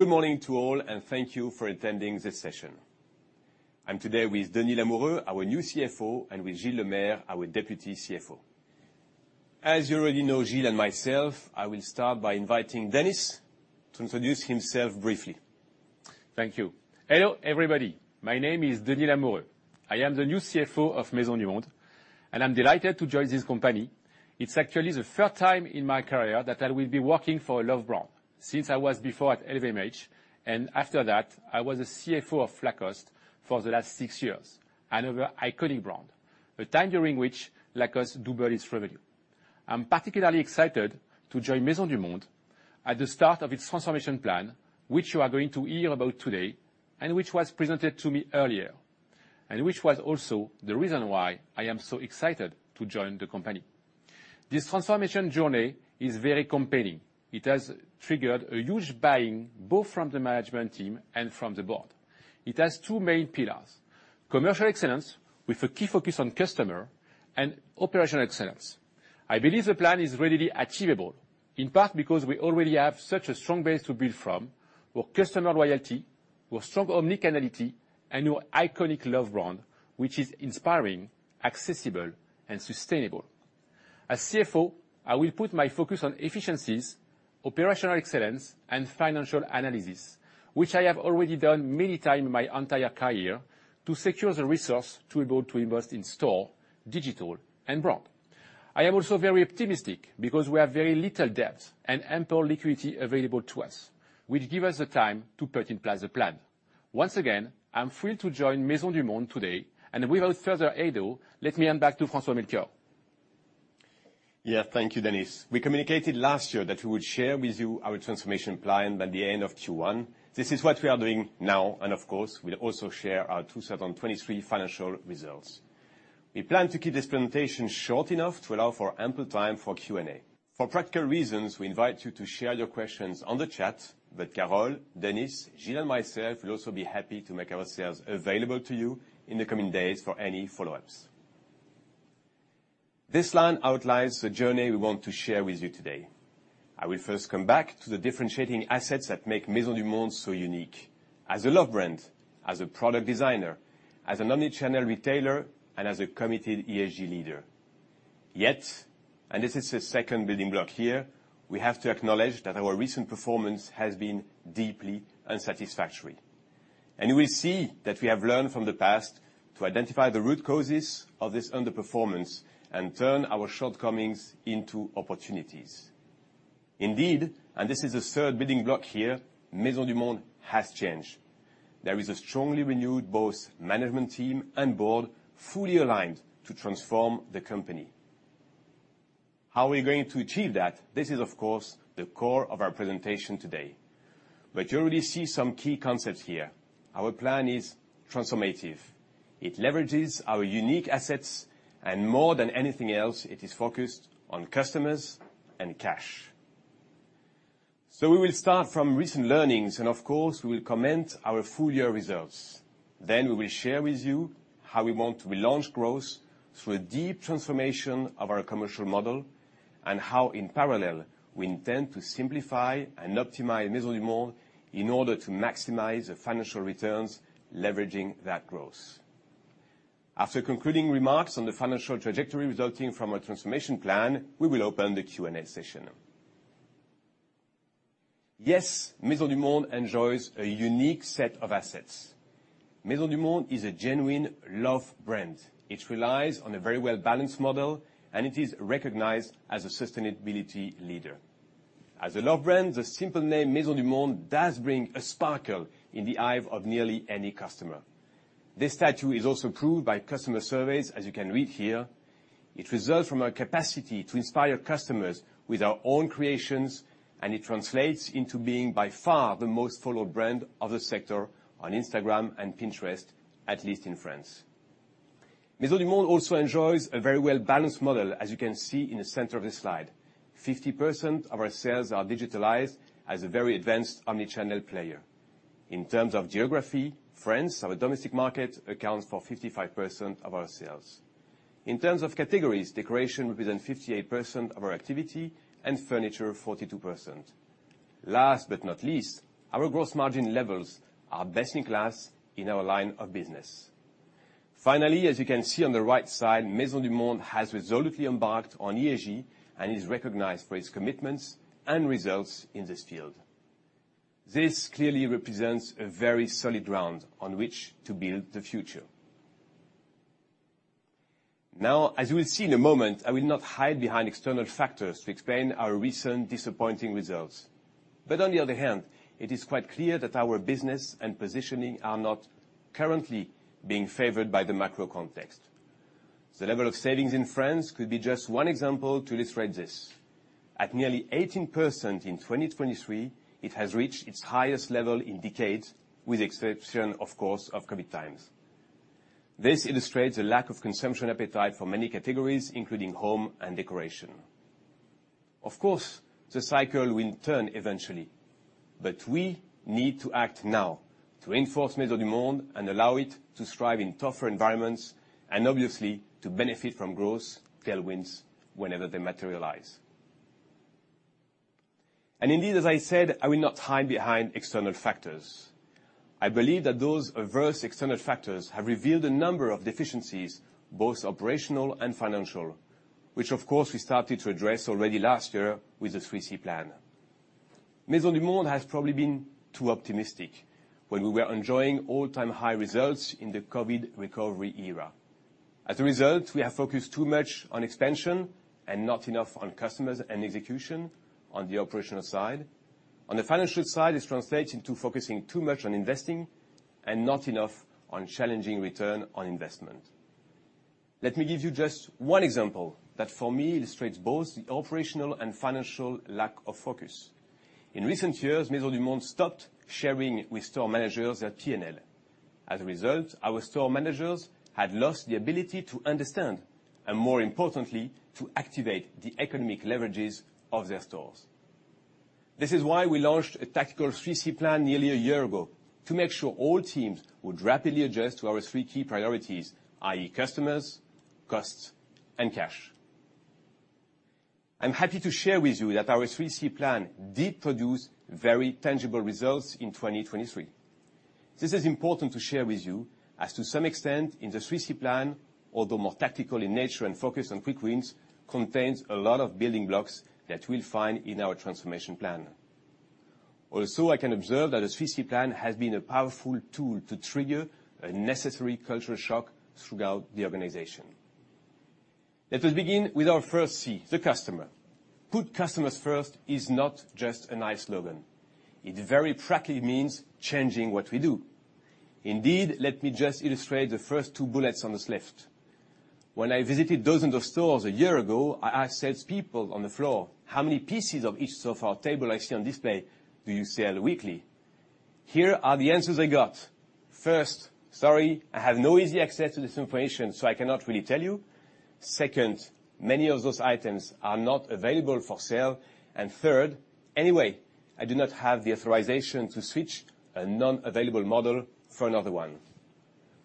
Good morning to all, and thank you for attending this session. I'm today with Denis Lamoureux, our new CFO, and with Gilles Lemaire, our deputy CFO. As you already know, Gilles and myself, I will start by inviting Denis to introduce himself briefly. Thank you. Hello, everybody. My name is Denis Lamoureux. I am the new CFO of Maisons du Monde, and I'm delighted to join this company. It's actually the third time in my career that I will be working for a love brand, since I was before at LVMH, and after that, I was a CFO of Lacoste for the last six years, another iconic brand. A time during which Lacoste doubled its revenue. I'm particularly excited to join Maisons du Monde at the start of its transformation plan, which you are going to hear about today, and which was presented to me earlier, and which was also the reason why I am so excited to join the company. This transformation journey is very compelling. It has triggered a huge buy-in, both from the management team and from the board. It has two main pillars: commercial excellence, with a key focus on customer, and operational excellence. I believe the plan is readily achievable, in part because we already have such a strong base to build from, with customer loyalty, with strong omni-channelity, and our iconic love brand, which is inspiring, accessible, and sustainable. As CFO, I will put my focus on efficiencies, operational excellence, and financial analysis, which I have already done many times in my entire career to secure the resource to be able to invest in store, digital, and brand. I am also very optimistic because we have very little debt and ample liquidity available to us, which give us the time to put in place the plan. Once again, I'm thrilled to join Maisons du Monde today, and without further ado, let me hand back to François-Melchior. Yeah, thank you, Denis. We communicated last year that we would share with you our transformation plan by the end of Q1. This is what we are doing now, and of course, we'll also share our 2023 financial results. We plan to keep this presentation short enough to allow for ample time for Q&A. For practical reasons, we invite you to share your questions on the chat, but Carole, Denis, Gilles, and myself will also be happy to make ourselves available to you in the coming days for any follow-ups. This line outlines the journey we want to share with you today. I will first come back to the differentiating assets that make Maisons du Monde so unique, as a love brand, as a product designer, as an omni-channel retailer, and as a committed ESG leader. Yet, and this is the second building block here, we have to acknowledge that our recent performance has been deeply unsatisfactory. We see that we have learned from the past to identify the root causes of this underperformance and turn our shortcomings into opportunities. Indeed, and this is the third building block here, Maisons du Monde has changed. There is a strongly renewed, both management team and board, fully aligned to transform the company. How are we going to achieve that? This is, of course, the core of our presentation today. You already see some key concepts here. Our plan is transformative. It leverages our unique assets, and more than anything else, it is focused on customers and cash. We will start from recent learnings, and of course, we will comment our full year results. Then we will share with you how we want to relaunch growth through a deep transformation of our commercial model, and how, in parallel, we intend to simplify and optimize Maisons du Monde in order to maximize the financial returns, leveraging that growth. After concluding remarks on the financial trajectory resulting from our transformation plan, we will open the Q&A session. Yes, Maisons du Monde enjoys a unique set of assets. Maisons du Monde is a genuine love brand. It relies on a very well-balanced model, and it is recognized as a sustainability leader. As a love brand, the simple name Maisons du Monde does bring a sparkle in the eye of nearly any customer. This stature is also proved by customer surveys, as you can read here. It results from our capacity to inspire customers with our own creations, and it translates into being by far the most followed brand of the sector on Instagram and Pinterest, at least in France. Maisons du Monde also enjoys a very well-balanced model, as you can see in the center of this slide. 50% of our sales are digitalized as a very advanced omni-channel player. In terms of geography, France, our domestic market, accounts for 55% of our sales. In terms of categories, decoration represents 58% of our activity and furniture, 42%. Last but not least, our gross margin levels are best in class in our line of business. Finally, as you can see on the right side, Maisons du Monde has resolutely embarked on ESG and is recognized for its commitments and results in this field. This clearly represents a very solid ground on which to build the future. Now, as you will see in a moment, I will not hide behind external factors to explain our recent disappointing results. But on the other hand, it is quite clear that our business and positioning are not currently being favored by the macro context. The level of savings in France could be just one example to illustrate this. At nearly 18% in 2023, it has reached its highest level in decades, with the exception, of course, of COVID times. This illustrates a lack of consumption appetite for many categories, including home and decoration. Of course, the cycle will turn eventually, but we need to act now... to reinforce Maisons du Monde and allow it to strive in tougher environments, and obviously, to benefit from growth tailwinds whenever they materialize. Indeed, as I said, I will not hide behind external factors. I believe that those adverse external factors have revealed a number of deficiencies, both operational and financial, which of course, we started to address already last year with the 3C Plan. Maisons du Monde has probably been too optimistic when we were enjoying all-time high results in the COVID recovery era. As a result, we have focused too much on expansion and not enough on customers and execution on the operational side. On the financial side, this translates into focusing too much on investing and not enough on challenging return on investment. Let me give you just one example that, for me, illustrates both the operational and financial lack of focus. In recent years, Maisons du Monde stopped sharing with store managers their P&L. As a result, our store managers had lost the ability to understand, and more importantly, to activate the economic leverages of their stores. This is why we launched a tactical 3C Plan nearly a year ago, to make sure all teams would rapidly adjust to our three key priorities, i.e., customers, cost, and cash. I'm happy to share with you that our 3C Plan did produce very tangible results in 2023. This is important to share with you, as to some extent in the 3C Plan, although more tactical in nature and focus on quick wins, contains a lot of building blocks that we'll find in our transformation plan. Also, I can observe that the 3C Plan has been a powerful tool to trigger a necessary cultural shock throughout the organization. Let us begin with our first C, the customer. Put customers first is not just a nice slogan. It very practically means changing what we do. Indeed, let me just illustrate the first two bullets on this list. When I visited dozens of stores a year ago, I asked salespeople on the floor: "How many pieces of each of our table I see on display do you sell weekly?" Here are the answers I got. First, "Sorry, I have no easy access to this information, so I cannot really tell you." Second, "Many of those items are not available for sale." And third, "Anyway, I do not have the authorization to switch a non-available model for another one."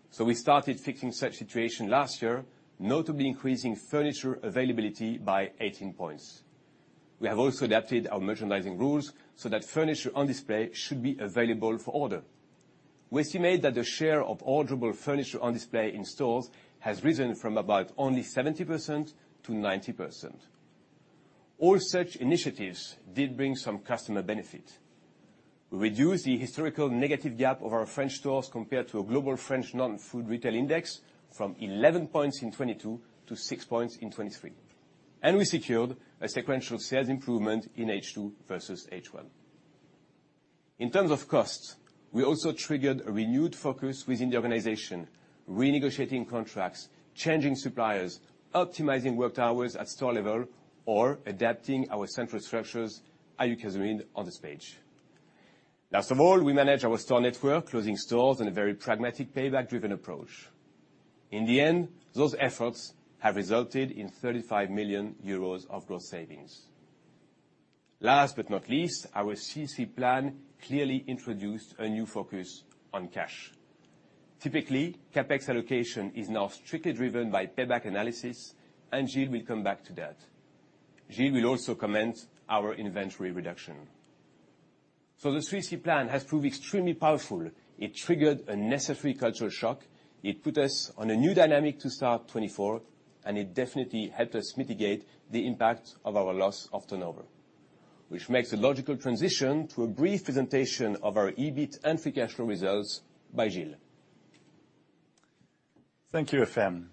So we started fixing such situation last year, notably increasing furniture availability by 18 points. We have also adapted our merchandising rules so that furniture on display should be available for order. We estimate that the share of orderable furniture on display in stores has risen from about only 70% to 90%. All such initiatives did bring some customer benefit. We reduced the historical negative gap of our French stores compared to a global French non-food retail index from 11 points in 2022 to 6 points in 2023, and we secured a sequential sales improvement in H2 versus H1. In terms of cost, we also triggered a renewed focus within the organization, renegotiating contracts, changing suppliers, optimizing work hours at store level, or adapting our central structures, as you can see on this page. Last of all, we managed our store network, closing stores in a very pragmatic, payback-driven approach. In the end, those efforts have resulted in 35 million euros of gross savings. Last but not least, our 3C Plan clearly introduced a new focus on cash. Typically, CapEx allocation is now strictly driven by payback analysis, and Gilles will come back to that. Gilles will also comment our inventory reduction. So the 3C plan has proved extremely powerful. It triggered a necessary cultural shock, it put us on a new dynamic to start 2024, and it definitely helped us mitigate the impact of our loss of turnover, which makes a logical transition to a brief presentation of our EBIT and free cash flow results by Gilles. Thank you, FM.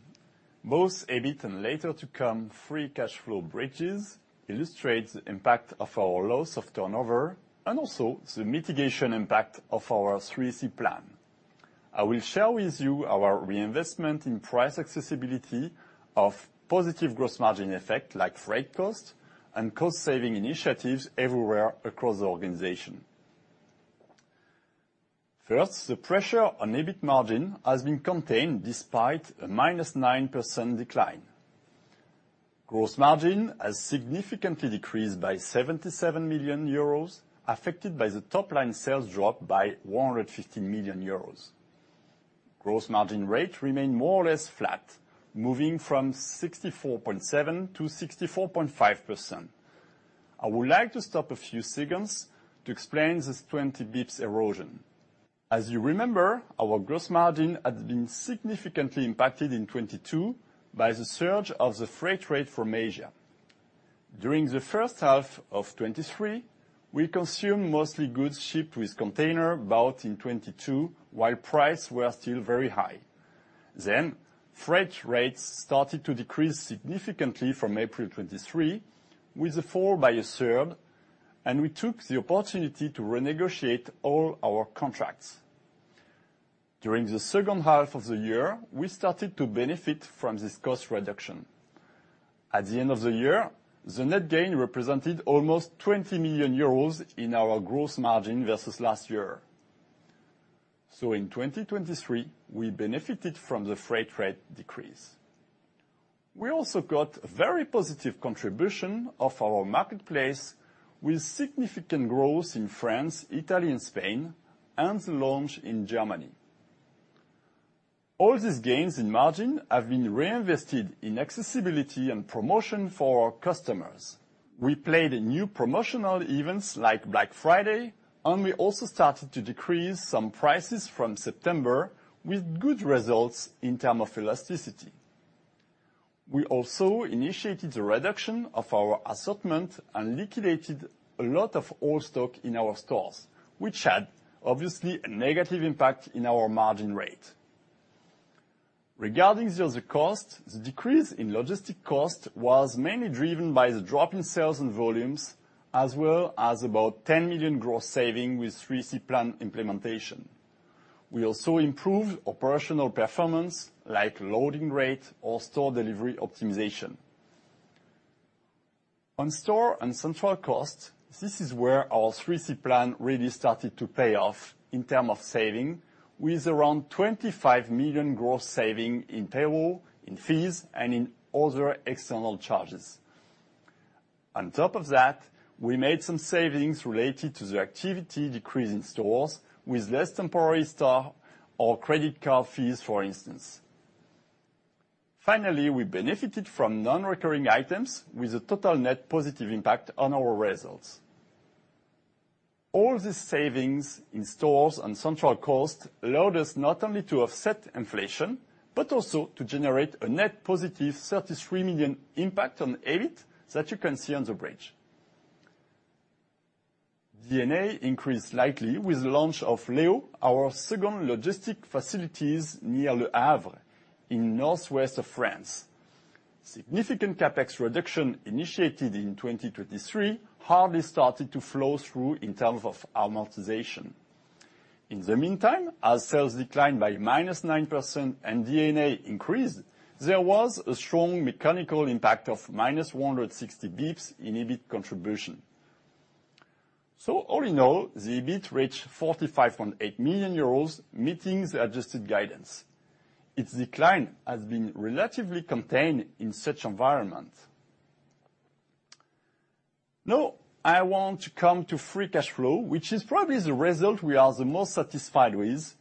Both EBIT and later to come, free cash flow bridges illustrates the impact of our loss of turnover and also the mitigation impact of our 3C plan. I will share with you our reinvestment in price accessibility of positive gross margin effect, like freight cost and cost saving initiatives everywhere across the organization. First, the pressure on EBIT margin has been contained despite a -9% decline. Gross margin has significantly decreased by 77 million euros, affected by the top-line sales drop by 150 million euros. Gross margin rate remained more or less flat, moving from 64.7%-64.5%. I would like to stop a few seconds to explain this 20 basis points erosion. As you remember, our gross margin had been significantly impacted in 2022 by the surge of the freight rate from Asia. During the first half of 2023, we consumed mostly goods shipped with containers bought in 2022, while prices were still very high. Then, freight rates started to decrease significantly from April 2023, with a fall by a third, and we took the opportunity to renegotiate all our contracts. During the second half of the year, we started to benefit from this cost reduction. At the end of the year, the net gain represented almost 20 million euros in our gross margin versus last year. So in 2023, we benefited from the freight rate decrease. We also got very positive contribution of our marketplace, with significant growth in France, Italy, and Spain, and the launch in Germany. All these gains in margin have been reinvested in accessibility and promotion for our customers. We played new promotional events like Black Friday, and we also started to decrease some prices from September, with good results in terms of elasticity. We also initiated the reduction of our assortment and liquidated a lot of old stock in our stores, which had, obviously, a negative impact in our margin rate. Regarding the other cost, the decrease in logistic cost was mainly driven by the drop in sales and volumes, as well as about 10 million gross saving with 3C Plan implementation. We also improved operational performance, like loading rate or store delivery optimization. On store and central cost, this is where our 3C Plan really started to pay off in terms of saving, with around 25 million gross saving in payroll, in fees, and in other external charges. On top of that, we made some savings related to the activity decrease in stores, with less temporary staff or credit card fees, for instance. Finally, we benefited from non-recurring items with a total net positive impact on our results. All these savings in stores and central cost allowed us not only to offset inflation, but also to generate a net positive 33 million impact on EBIT that you can see on the bridge. D&A increased slightly with the launch of Leo, our second logistic facilities near Le Havre in northwest of France. Significant CapEx reduction, initiated in 2023, hardly started to flow through in terms of amortization. In the meantime, as sales declined by -9% and D&A increased, there was a strong mechanical impact of -160 basis points in EBIT contribution. All in all, the EBIT reached 45.8 million euros, meeting the adjusted guidance. Its decline has been relatively contained in such environment. Now, I want to come to free cash flow, which is probably the result we are the most satisfied with,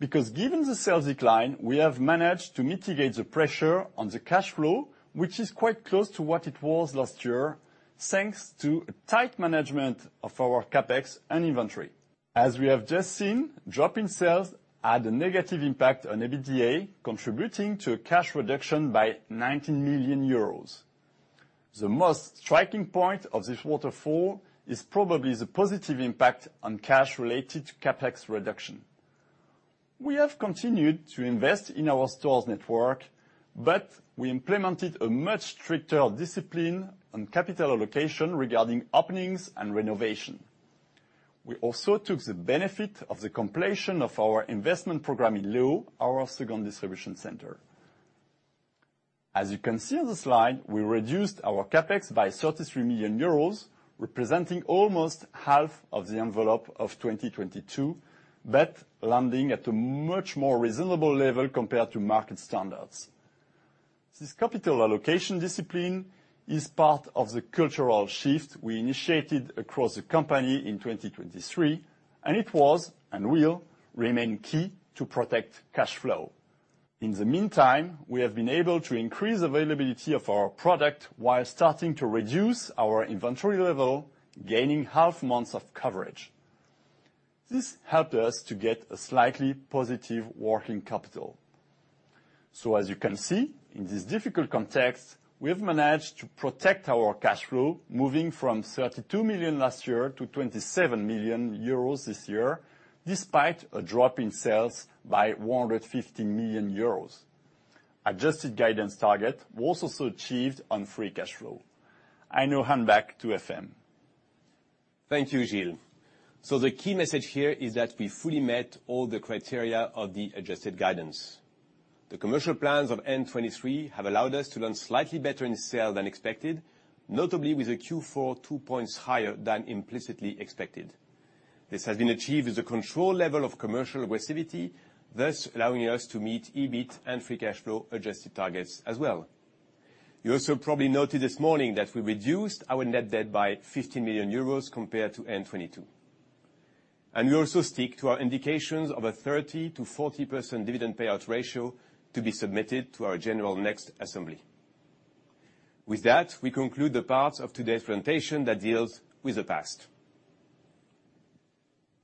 because given the sales decline, we have managed to mitigate the pressure on the cash flow, which is quite close to what it was last year, thanks to a tight management of our CapEx and inventory. As we have just seen, drop in sales had a negative impact on EBITDA, contributing to a cash reduction by 19 million euros. The most striking point of this waterfall is probably the positive impact on cash related to CapEx reduction. We have continued to invest in our stores network, but we implemented a much stricter discipline on capital allocation regarding openings and renovation. We also took the benefit of the completion of our investment program in Leo, our second distribution center. As you can see on the slide, we reduced our CapEx by 33 million euros, representing almost half of the envelope of 2022, but landing at a much more reasonable level compared to market standards. This capital allocation discipline is part of the cultural shift we initiated across the company in 2023, and it was, and will, remain key to protect cash flow. In the meantime, we have been able to increase availability of our product while starting to reduce our inventory level, gaining half months of coverage. This helped us to get a slightly positive working capital. So as you can see, in this difficult context, we have managed to protect our cash flow, moving from 32 million last year to 27 million euros this year, despite a drop in sales by 150 million euros. Adjusted guidance target was also achieved on free cash flow. I now hand back to FM. Thank you, Gilles. So the key message here is that we fully met all the criteria of the adjusted guidance. The commercial plans of 2023 have allowed us to run slightly better in sale than expected, notably with a Q4 2 points higher than implicitly expected. This has been achieved with a controlled level of commercial aggressivity, thus allowing us to meet EBIT and free cash flow adjusted targets as well. You also probably noted this morning that we reduced our net debt by 50 million euros compared to 2022. And we also stick to our indications of a 30%-40% dividend payout ratio to be submitted to our next general assembly. With that, we conclude the part of today's presentation that deals with the past.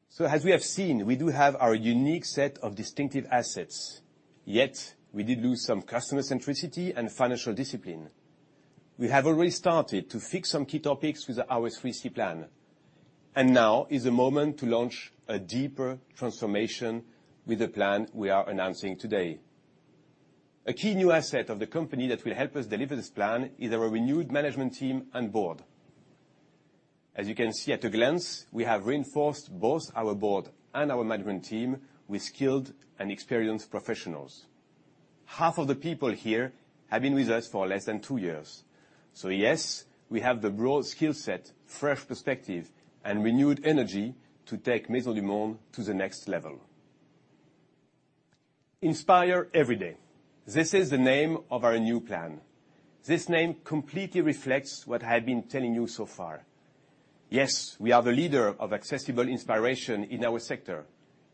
So as we have seen, we do have our unique set of distinctive assets, yet we did lose some customer centricity and financial discipline. We have already started to fix some key topics with our 3C plan, and now is the moment to launch a deeper transformation with the plan we are announcing today. A key new asset of the company that will help us deliver this plan is our renewed management team and board. As you can see at a glance, we have reinforced both our board and our management team with skilled and experienced professionals. Half of the people here have been with us for less than two years. So yes, we have the broad skill set, fresh perspective, and renewed energy to take Maisons du Monde to the next level. Inspire Everyday. This is the name of our new plan. This name completely reflects what I've been telling you so far. Yes, we are the leader of accessible inspiration in our sector.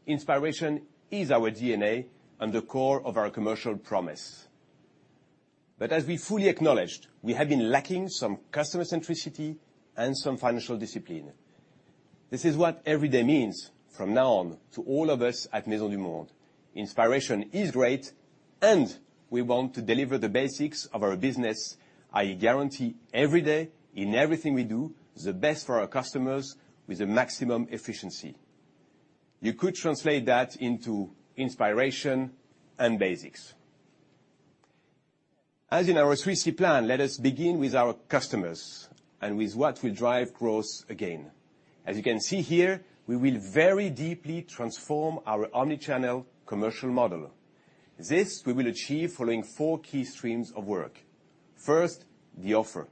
Inspiration is our DNA and the core of our commercial promise. But as we fully acknowledged, we have been lacking some customer centricity and some financial discipline. This is what every day means from now on to all of us at Maisons du Monde. Inspiration is great, and we want to deliver the basics of our business, i.e., guarantee every day in everything we do, the best for our customers with the maximum efficiency. You could translate that into inspiration and basics. As in our three C plan, let us begin with our customers and with what will drive growth again. As you can see here, we will very deeply transform our Omni-Channel commercial model. This we will achieve following four key streams of work. First, the offer.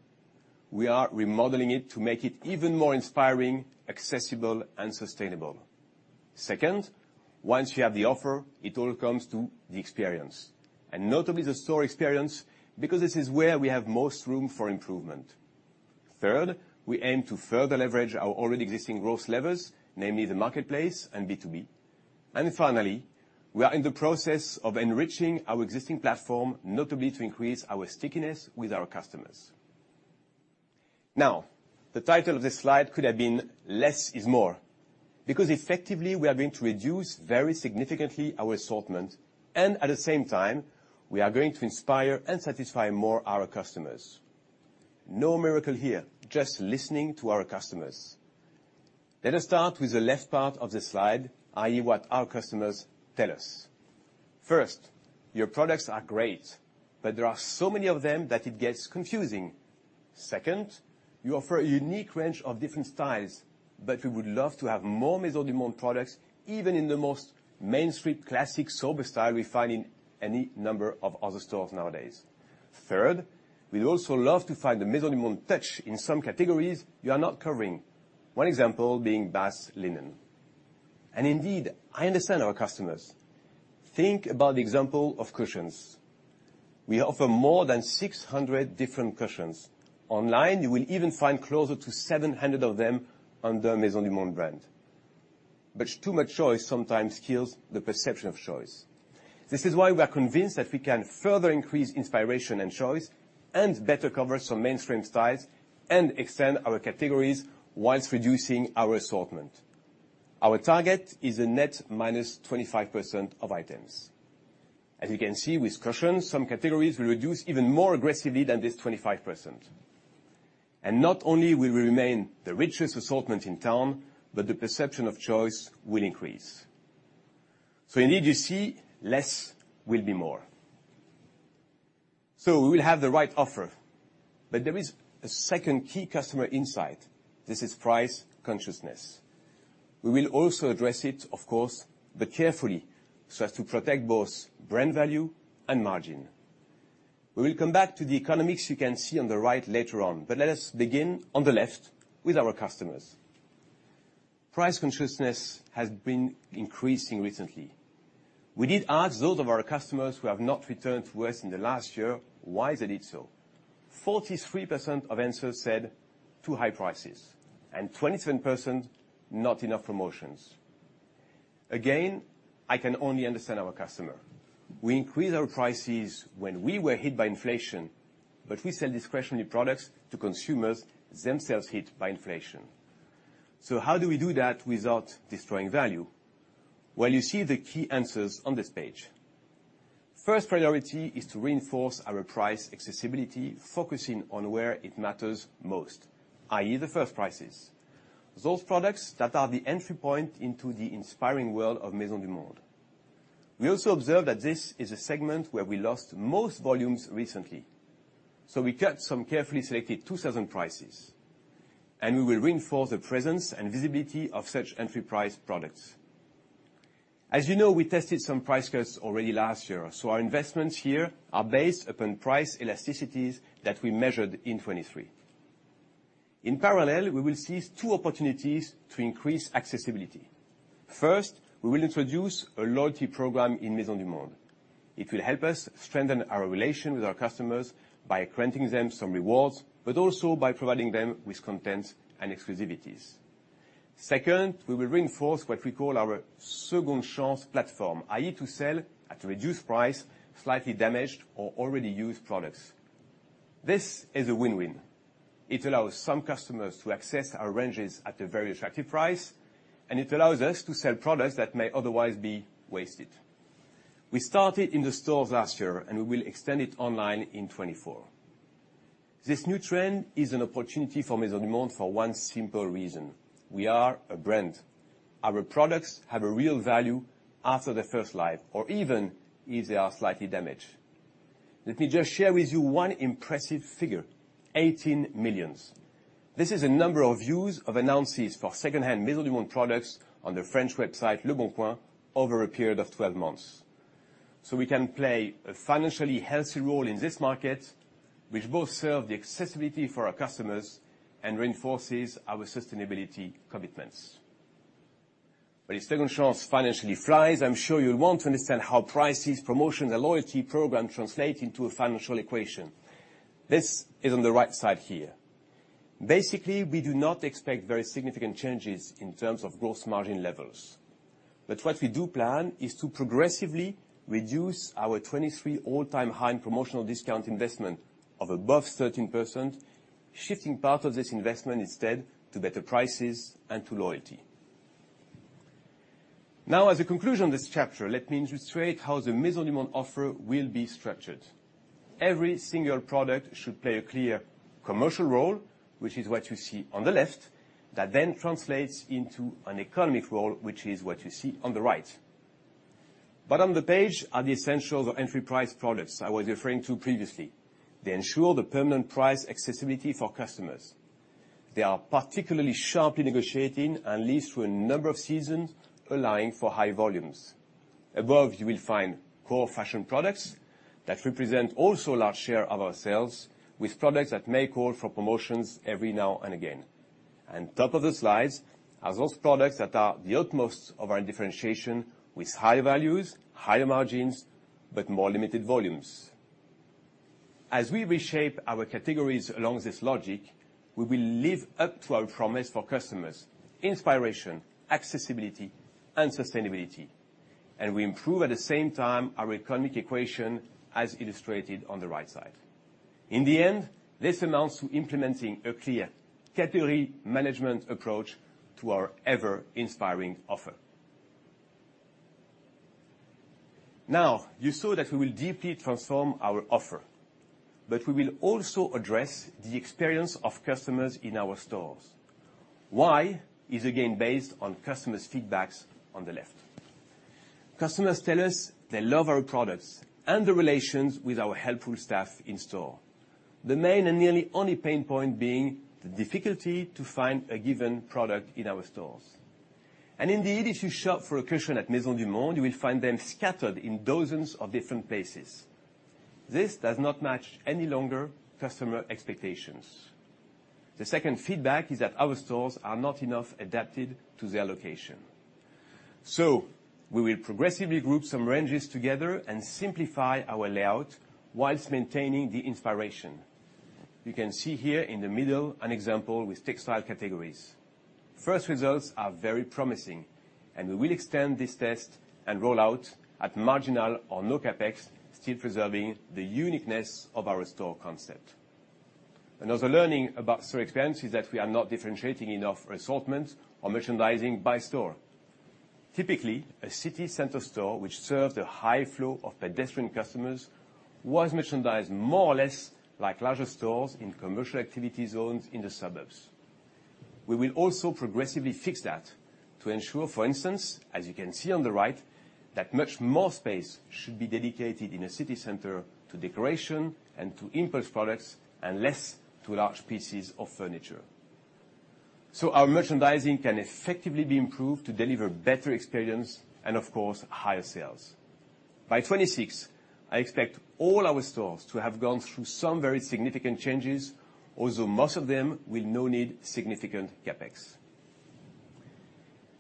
We are remodeling it to make it even more inspiring, accessible, and sustainable. Second, once you have the offer, it all comes to the experience, and notably the store experience, because this is where we have most room for improvement. Third, we aim to further leverage our already existing growth levers, namely the marketplace and B2B. And finally, we are in the process of enriching our existing platform, notably to increase our stickiness with our customers. Now, the title of this slide could have been Less is More, because effectively, we are going to reduce very significantly our assortment, and at the same time, we are going to inspire and satisfy more our customers. No miracle here, just listening to our customers. Let us start with the left part of this slide, i.e., what our customers tell us. First, your products are great, but there are so many of them that it gets confusing. Second, you offer a unique range of different styles, but we would love to have more Maisons du Monde products, even in the most mainstream, classic, sober style we find in any number of other stores nowadays. Third, we'd also love to find the Maisons du Monde touch in some categories you are not covering, one example being bath linen. And indeed, I understand our customers. Think about the example of cushions. We offer more than 600 different cushions. Online, you will even find closer to 700 of them on the Maisons du Monde brand. But too much choice sometimes kills the perception of choice. This is why we are convinced that we can further increase inspiration and choice, and better cover some mainstream styles, and extend our categories while reducing our assortment. Our target is a net minus 25% of items. As you can see with cushions, some categories will reduce even more aggressively than this 25%. And not only will we remain the richest assortment in town, but the perception of choice will increase. So indeed, you see, less will be more. So we will have the right offer, but there is a second key customer insight. This is price consciousness. We will also address it, of course, but carefully, so as to protect both brand value and margin. We will come back to the economics you can see on the right later on, but let us begin on the left with our customers. Price consciousness has been increasing recently. We did ask those of our customers who have not returned to us in the last year why they did so. 43% of answers said, "Too high prices," and 27%, "Not enough promotions." Again, I can only understand our customer. We increased our prices when we were hit by inflation, but we sell discretionary products to consumers themselves hit by inflation. So how do we do that without destroying value? Well, you see the key answers on this page. First priority is to reinforce our price accessibility, focusing on where it matters most, i.e., the first prices, those products that are the entry point into the inspiring world of Maisons du Monde. We also observe that this is a segment where we lost most volumes recently, so we cut some carefully selected 2,000 prices, and we will reinforce the presence and visibility of such entry price products. As you know, we tested some price cuts already last year, so our investments here are based upon price elasticities that we measured in 2023. In parallel, we will seize two opportunities to increase accessibility. First, we will introduce a loyalty program in Maisons du Monde. It will help us strengthen our relation with our customers by granting them some rewards, but also by providing them with content and exclusivities. Second, we will reinforce what we call our Second Chance platform, i.e., to sell at a reduced price, slightly damaged or already used products. This is a win-win. It allows some customers to access our ranges at a very attractive price, and it allows us to sell products that may otherwise be wasted. We started in the stores last year, and we will extend it online in 2024. This new trend is an opportunity for Maisons du Monde for one simple reason: we are a brand. Our products have a real value after the first life, or even if they are slightly damaged. Let me just share with you one impressive figure, 18 million. This is the number of views of annonces for secondhand Maisons du Monde products on the French website, Leboncoin, over a period of 12 months... So we can play a financially healthy role in this market, which both serve the accessibility for our customers and reinforces our sustainability commitments. But if Second Chance financially flies, I'm sure you'll want to understand how prices, promotions, and loyalty program translate into a financial equation. This is on the right side here. Basically, we do not expect very significant changes in terms of gross margin levels. But what we do plan is to progressively reduce our 2023 all-time high in promotional discount investment of above 13%, shifting part of this investment instead to better prices and to loyalty. Now as a conclusion of this chapter, let me illustrate how the Maisons du Monde offer will be structured. Every single product should play a clear commercial role, which is what you see on the left, that then translates into an economic role, which is what you see on the right. But on the page are the essentials of entry price products I was referring to previously. They ensure the permanent price accessibility for customers. They are particularly sharply negotiated and leased to a number of seasons, allowing for high volumes. Above, you will find core fashion products that represent also a large share of our sales, with products that may call for promotions every now and again. Top of the slides are those products that are the utmost of our differentiation with high values, higher margins, but more limited volumes. As we reshape our categories along this logic, we will live up to our promise for customers: inspiration, accessibility, and sustainability. We improve, at the same time, our economic equation, as illustrated on the right side. In the end, this amounts to implementing a clear Category Management approach to our ever-inspiring offer. Now, you saw that we will deeply transform our offer, but we will also address the experience of customers in our stores. Why? It's again based on customers' feedback on the left. Customers tell us they love our products and the relations with our helpful staff in store. The main and nearly only pain point being the difficulty to find a given product in our stores. Indeed, if you shop for a cushion at Maisons du Monde, you will find them scattered in dozens of different places. This does not match any longer customer expectations. The second feedback is that our stores are not enough adapted to their location. We will progressively group some ranges together and simplify our layout while maintaining the inspiration. You can see here in the middle an example with textile categories. First results are very promising, and we will extend this test and roll out at marginal or no CapEx, still preserving the uniqueness of our store concept. Another learning about store experience is that we are not differentiating enough assortment or merchandising by store. Typically, a city center store which serves a high flow of pedestrian customers, was merchandised more or less like larger stores in commercial activity zones in the suburbs. We will also progressively fix that to ensure, for instance, as you can see on the right, that much more space should be dedicated in a city center to decoration and to impulse products, and less to large pieces of furniture. So our merchandising can effectively be improved to deliver better experience and of course, higher sales. By 2026, I expect all our stores to have gone through some very significant changes, although most of them will not need significant CapEx.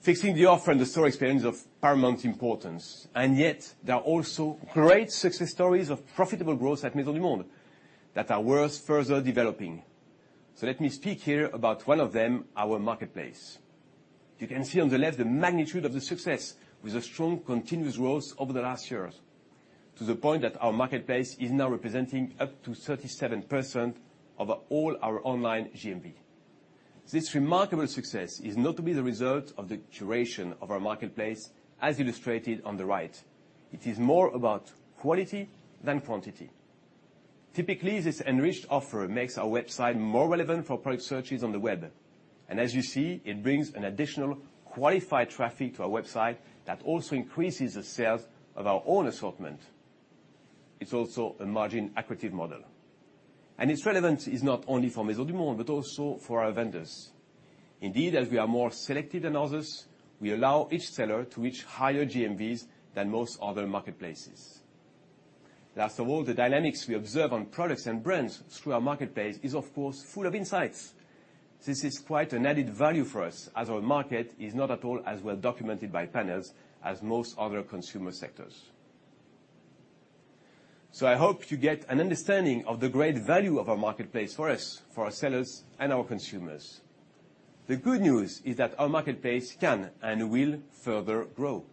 Fixing the offer and the store experience is of paramount importance, and yet there are also great success stories of profitable growth at Maisons du Monde that are worth further developing. So let me speak here about one of them, our marketplace. You can see on the left the magnitude of the success with a strong continuous growth over the last years, to the point that our marketplace is now representing up to 37% of all our online GMV. This remarkable success is not to be the result of the curation of our marketplace, as illustrated on the right. It is more about quality than quantity. Typically, this enriched offer makes our website more relevant for product searches on the web, and as you see, it brings an additional qualified traffic to our website that also increases the sales of our own assortment. It's also a margin accretive model, and its relevance is not only for Maisons du Monde, but also for our vendors. Indeed, as we are more selective than others, we allow each seller to reach higher GMVs than most other marketplaces. Last of all, the dynamics we observe on products and brands through our marketplace is, of course, full of insights. This is quite an added value for us, as our market is not at all as well documented by panels as most other consumer sectors. So I hope you get an understanding of the great value of our marketplace for us, for our sellers, and our consumers. The good news is that our marketplace can and will further grow.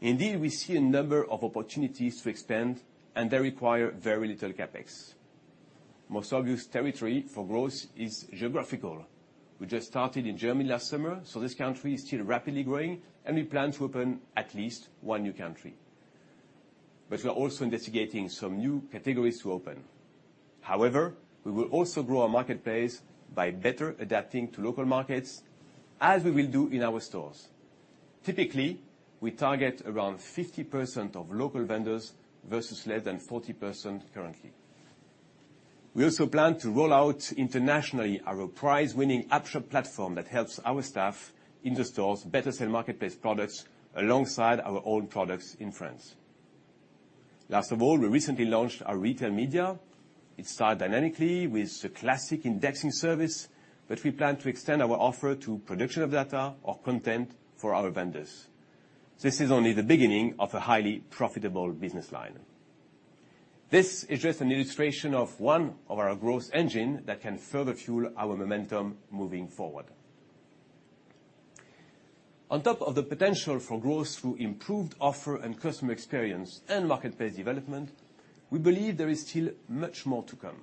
Indeed, we see a number of opportunities to expand, and they require very little CapEx. Most obvious territory for growth is geographical. We just started in Germany last summer, so this country is still rapidly growing, and we plan to open at least one new country. But we are also investigating some new categories to open. However, we will also grow our marketplace by better adapting to local markets, as we will do in our stores. Typically, we target around 50% of local vendors versus less than 40% currently... We also plan to roll out internationally our prize-winning AppShop platform that helps our staff in the stores better sell marketplace products alongside our own products in France. Last of all, we recently launched our Retail Media. It started dynamically with a classic indexing service, but we plan to extend our offer to production of data or content for our vendors. This is only the beginning of a highly profitable business line. This is just an illustration of one of our growth engine that can further fuel our momentum moving forward. On top of the potential for growth through improved offer and customer experience and marketplace development, we believe there is still much more to come.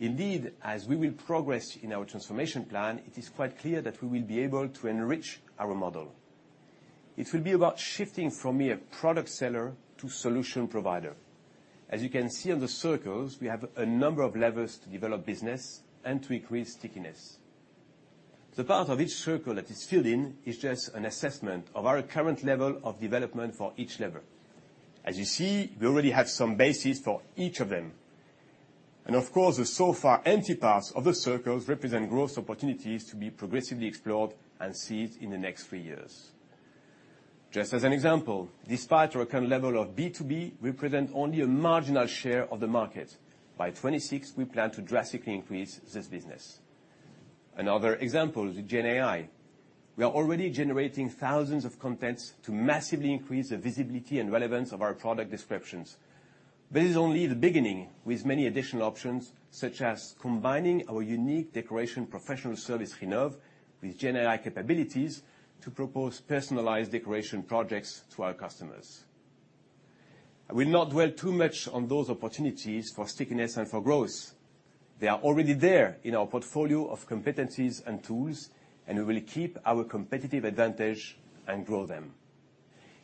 Indeed, as we will progress in our transformation plan, it is quite clear that we will be able to enrich our model. It will be about shifting from being a product seller to solution provider. As you can see on the circles, we have a number of levers to develop business and to increase stickiness. The part of each circle that is filled in is just an assessment of our current level of development for each lever. As you see, we already have some basis for each of them, and of course, the so far empty parts of the circles represent growth opportunities to be progressively explored and seized in the next three years. Just as an example, despite our current level of B2B, we present only a marginal share of the market. By 2026, we plan to drastically increase this business. Another example is GenAI. We are already generating thousands of contents to massively increase the visibility and relevance of our product descriptions. This is only the beginning, with many additional options, such as combining our unique decoration professional service, Renov, with GenAI capabilities to propose personalized decoration projects to our customers. I will not dwell too much on those opportunities for stickiness and for growth. They are already there in our portfolio of competencies and tools, and we will keep our competitive advantage and grow them.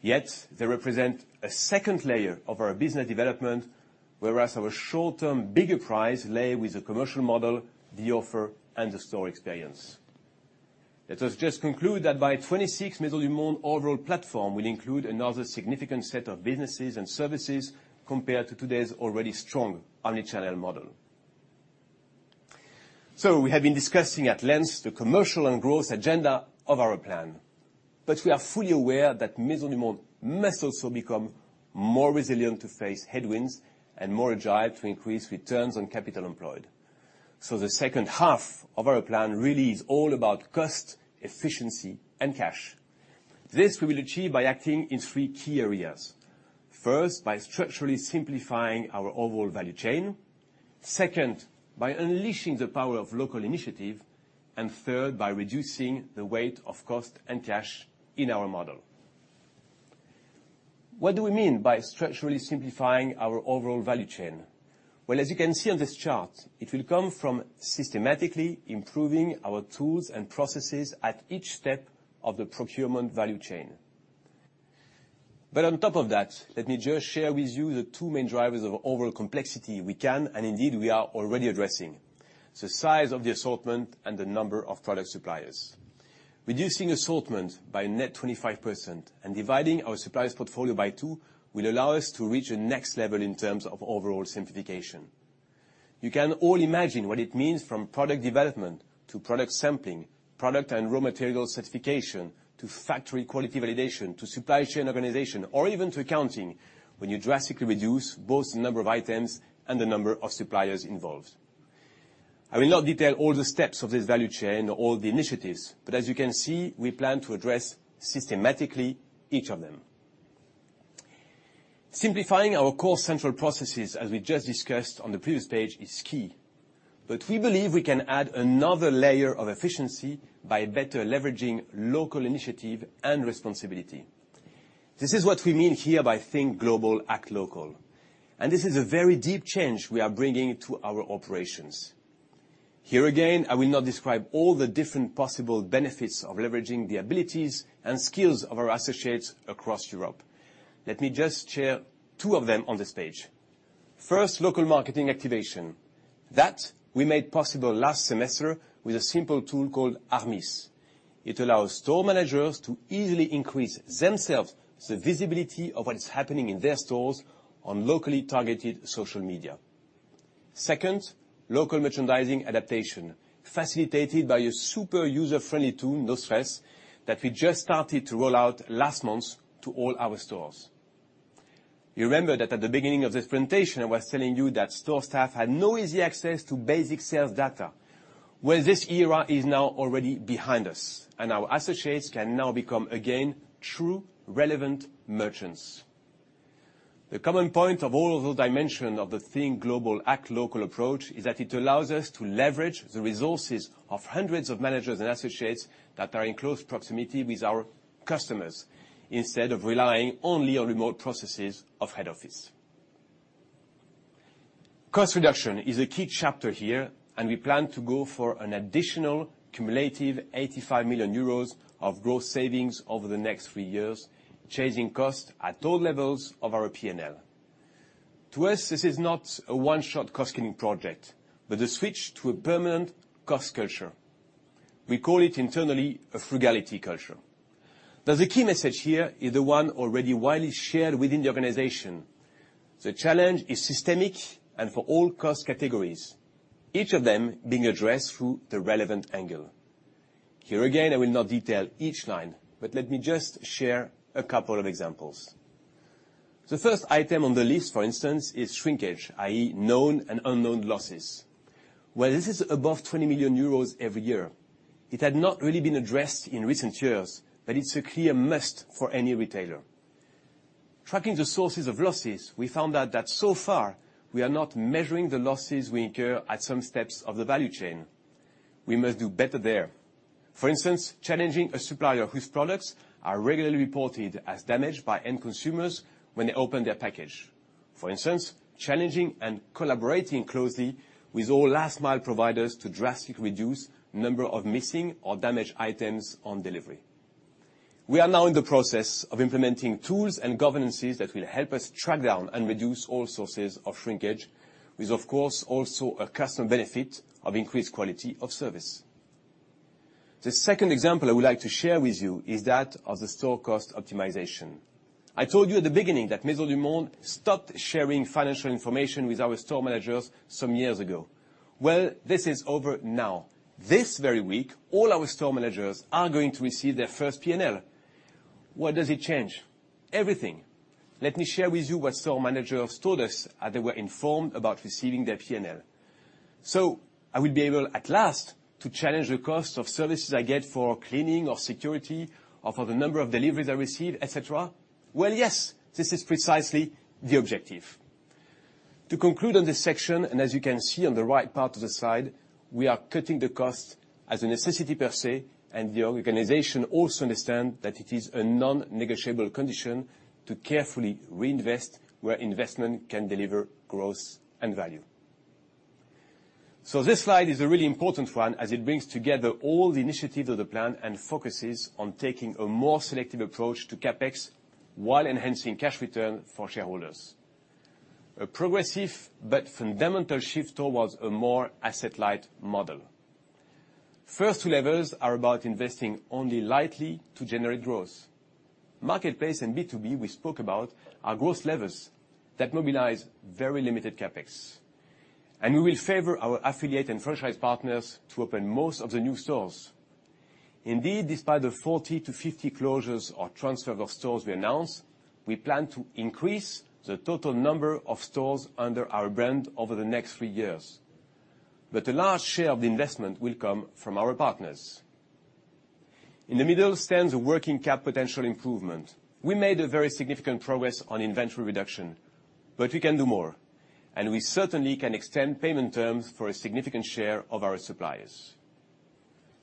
Yet, they represent a second layer of our business development, whereas our short-term bigger prize lies with the commercial model, the offer, and the store experience. Let us just conclude that by 2026, Maisons du Monde overall platform will include another significant set of businesses and services compared to today's already strong Omni-Channel model. So we have been discussing at length the commercial and growth agenda of our plan, but we are fully aware that Maisons du Monde must also become more resilient to face headwinds and more agile to increase returns on capital employed. So the second half of our plan really is all about cost, efficiency, and cash. This we will achieve by acting in three key areas. First, by structurally simplifying our overall value chain. Second, by unleashing the power of local initiative, and third, by reducing the weight of cost and cash in our model. What do we mean by structurally simplifying our overall value chain? Well, as you can see on this chart, it will come from systematically improving our tools and processes at each step of the procurement value chain. But on top of that, let me just share with you the two main drivers of overall complexity we can, and indeed, we are already addressing: the size of the assortment and the number of product suppliers. Reducing assortment by net 25% and dividing our suppliers' portfolio by two will allow us to reach the next level in terms of overall simplification. You can all imagine what it means from product development to product sampling, product and raw material certification, to factory quality validation, to supply chain organization, or even to accounting, when you drastically reduce both the number of items and the number of suppliers involved. I will not detail all the steps of this value chain or all the initiatives, but as you can see, we plan to address systematically each of them. Simplifying our core central processes, as we just discussed on the previous page, is key, but we believe we can add another layer of efficiency by better leveraging local initiative and responsibility. This is what we mean here by think global, act local, and this is a very deep change we are bringing to our operations. Here again, I will not describe all the different possible benefits of leveraging the abilities and skills of our associates across Europe. Let me just share two of them on this page. First, local marketing activation that we made possible last semester with a simple tool called Armis. It allows store managers to easily increase themselves, the visibility of what is happening in their stores on locally targeted social media. Second, local merchandising adaptation, facilitated by a super user-friendly tool, No Stress, that we just started to roll out last month to all our stores. You remember that at the beginning of this presentation, I was telling you that store staff had no easy access to basic sales data. Well, this era is now already behind us, and our associates can now become again true relevant merchants. The common point of all of those dimensions of the Think Global Act Local approach is that it allows us to leverage the resources of hundreds of managers and associates that are in close proximity with our customers, instead of relying only on remote processes of head office. Cost reduction is a key chapter here, and we plan to go for an additional cumulative 85 million euros of gross savings over the next three years, changing costs at all levels of our P&L. To us, this is not a one-shot cost-cutting project, but a switch to a permanent cost culture.... We call it internally a frugality culture. Now the key message here is the one already widely shared within the organization. The challenge is systemic and for all cost categories, each of them being addressed through the relevant angle. Here again, I will not detail each line, but let me just share a couple of examples. The first item on the list, for instance, is shrinkage, i.e., known and unknown losses. While this is above 20 million euros every year, it had not really been addressed in recent years, but it's a clear must for any retailer. Tracking the sources of losses, we found out that so far, we are not measuring the losses we incur at some steps of the value chain. We must do better there. For instance, challenging a supplier whose products are regularly reported as damaged by end consumers when they open their package. For instance, challenging and collaborating closely with all last mile providers to drastically reduce number of missing or damaged items on delivery. We are now in the process of implementing tools and governances that will help us track down and reduce all sources of shrinkage, with, of course, also a customer benefit of increased quality of service. The second example I would like to share with you is that of the store cost optimization. I told you at the beginning that Maisons du Monde stopped sharing financial information with our store managers some years ago. Well, this is over now. This very week, all our store managers are going to receive their first P&L. What does it change? Everything. Let me share with you what store managers told us as they were informed about receiving their P&L. "So I will be able, at last, to challenge the cost of services I get for cleaning or security, or for the number of deliveries I receive, et cetera?" Well, yes, this is precisely the objective. To conclude on this section, and as you can see on the right part of the slide, we are cutting the cost as a necessity per se, and the organization also understand that it is a non-negotiable condition to carefully reinvest where investment can deliver growth and value. So this slide is a really important one, as it brings together all the initiatives of the plan and focuses on taking a more selective approach to CapEx while enhancing cash return for shareholders. A progressive but fundamental shift towards a more asset-light model. First 2 levels are about investing only lightly to generate growth. Marketplace and B2B, we spoke about, are growth levels that mobilize very limited CapEx, and we will favor our affiliate and franchise partners to open most of the new stores. Indeed, despite the 40-50 closures or transfer of stores we announced, we plan to increase the total number of stores under our brand over the next three years. But a large share of the investment will come from our partners. In the middle stands a working cap potential improvement. We made a very significant progress on inventory reduction, but we can do more, and we certainly can extend payment terms for a significant share of our suppliers.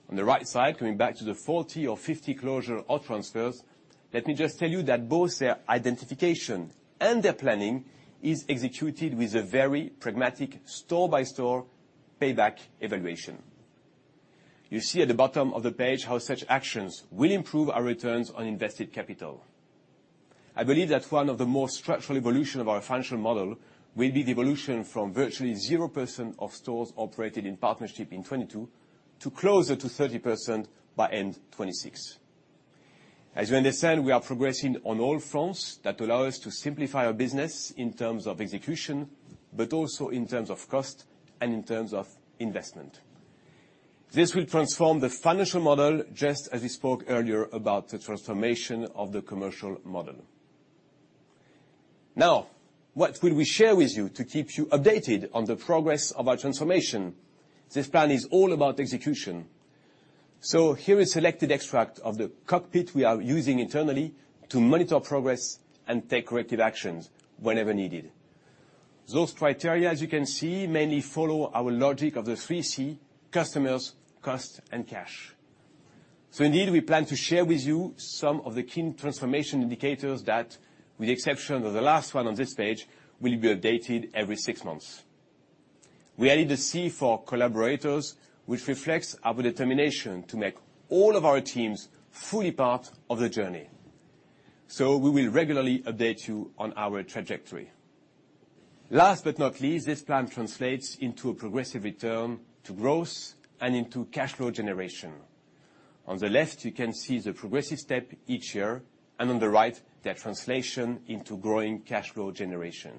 On the right side, coming back to the 40 or 50 closure or transfers, let me just tell you that both their identification and their planning is executed with a very pragmatic store-by-store payback evaluation. You see at the bottom of the page how such actions will improve our returns on invested capital. I believe that one of the more structural evolution of our financial model will be the evolution from virtually 0% of stores operated in partnership in 2022, to closer to 30% by end 2026. As you understand, we are progressing on all fronts that allow us to simplify our business in terms of execution, but also in terms of cost and in terms of investment. This will transform the financial model, just as we spoke earlier about the transformation of the commercial model. Now, what will we share with you to keep you updated on the progress of our transformation? This plan is all about execution. So here is selected extract of the cockpit we are using internally to monitor progress and take corrective actions whenever needed. Those criteria, as you can see, mainly follow our logic of the three C, customers, cost, and cash. So indeed, we plan to share with you some of the key transformation indicators that, with the exception of the last one on this page, will be updated every six months. We added a C for collaborators, which reflects our determination to make all of our teams fully part of the journey. So we will regularly update you on our trajectory. Last but not least, this plan translates into a progressive return to growth and into cash flow generation. On the left, you can see the progressive step each year, and on the right, their translation into growing cash flow generation.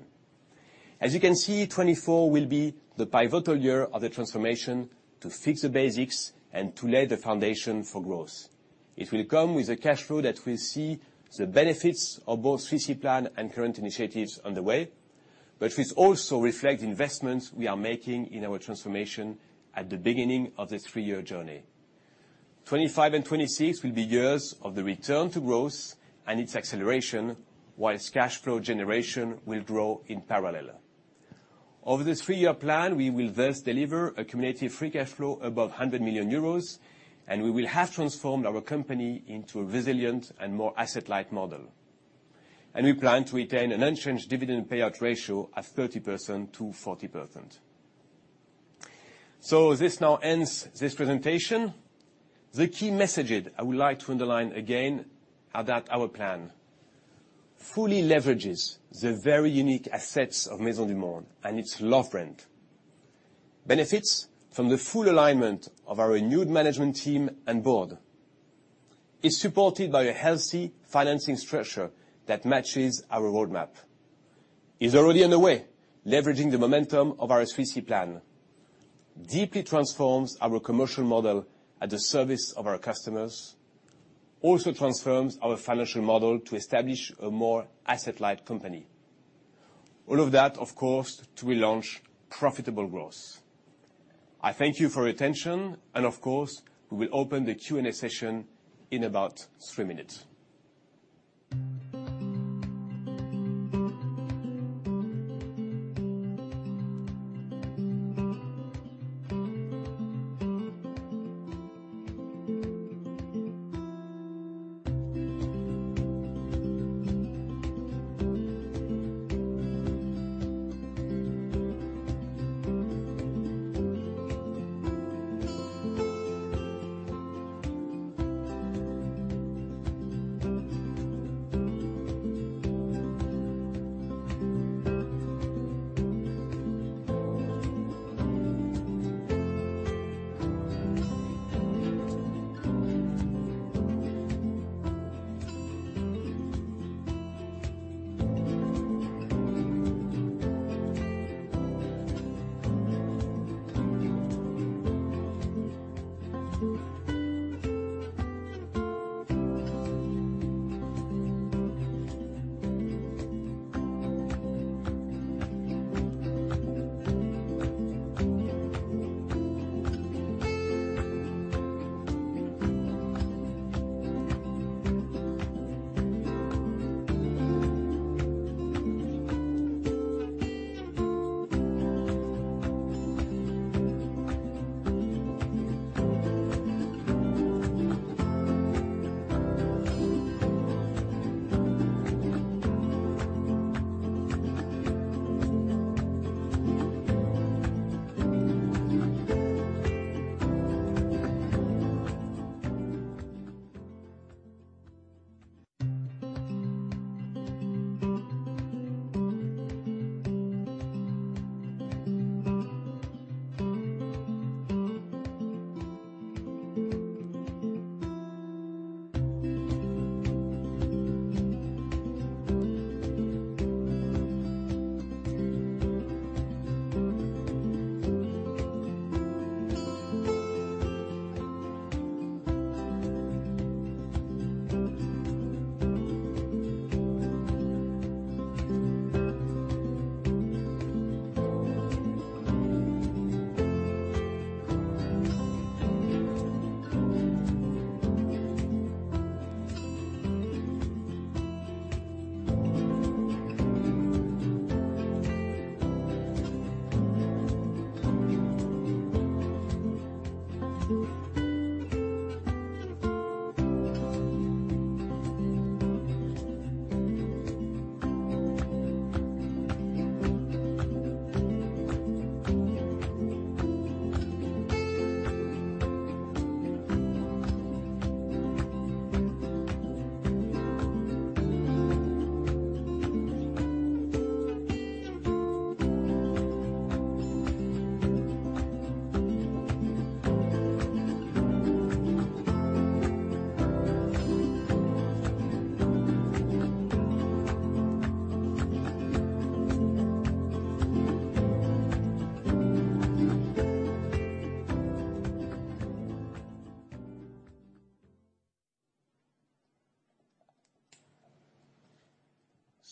As you can see, 2024 will be the pivotal year of the transformation to fix the basics and to lay the foundation for growth. It will come with a cash flow that will see the benefits of both 3C Plan and current initiatives on the way, but which also reflect investments we are making in our transformation at the beginning of this three-year journey. 2025 and 2026 will be years of the return to growth and its acceleration, while cash flow generation will grow in parallel. Over this three-year plan, we will thus deliver a cumulative free cash flow above 100 million euros, and we will have transformed our company into a resilient and more asset-light model. We plan to retain an unchanged dividend payout ratio of 30%-40%. This now ends this presentation. The key messages I would like to underline again are that our plan fully leverages the very unique assets of Maisons du Monde and its love brand, benefits from the full alignment of our renewed management team and board, is supported by a healthy financing structure that matches our roadmap, is already on the way, leveraging the momentum of our 3C plan, deeply transforms our commercial model at the service of our customers, also transforms our financial model to establish a more asset-light company. All of that, of course, to relaunch profitable growth. I thank you for your attention, and of course, we will open the Q&A session in about three minutes.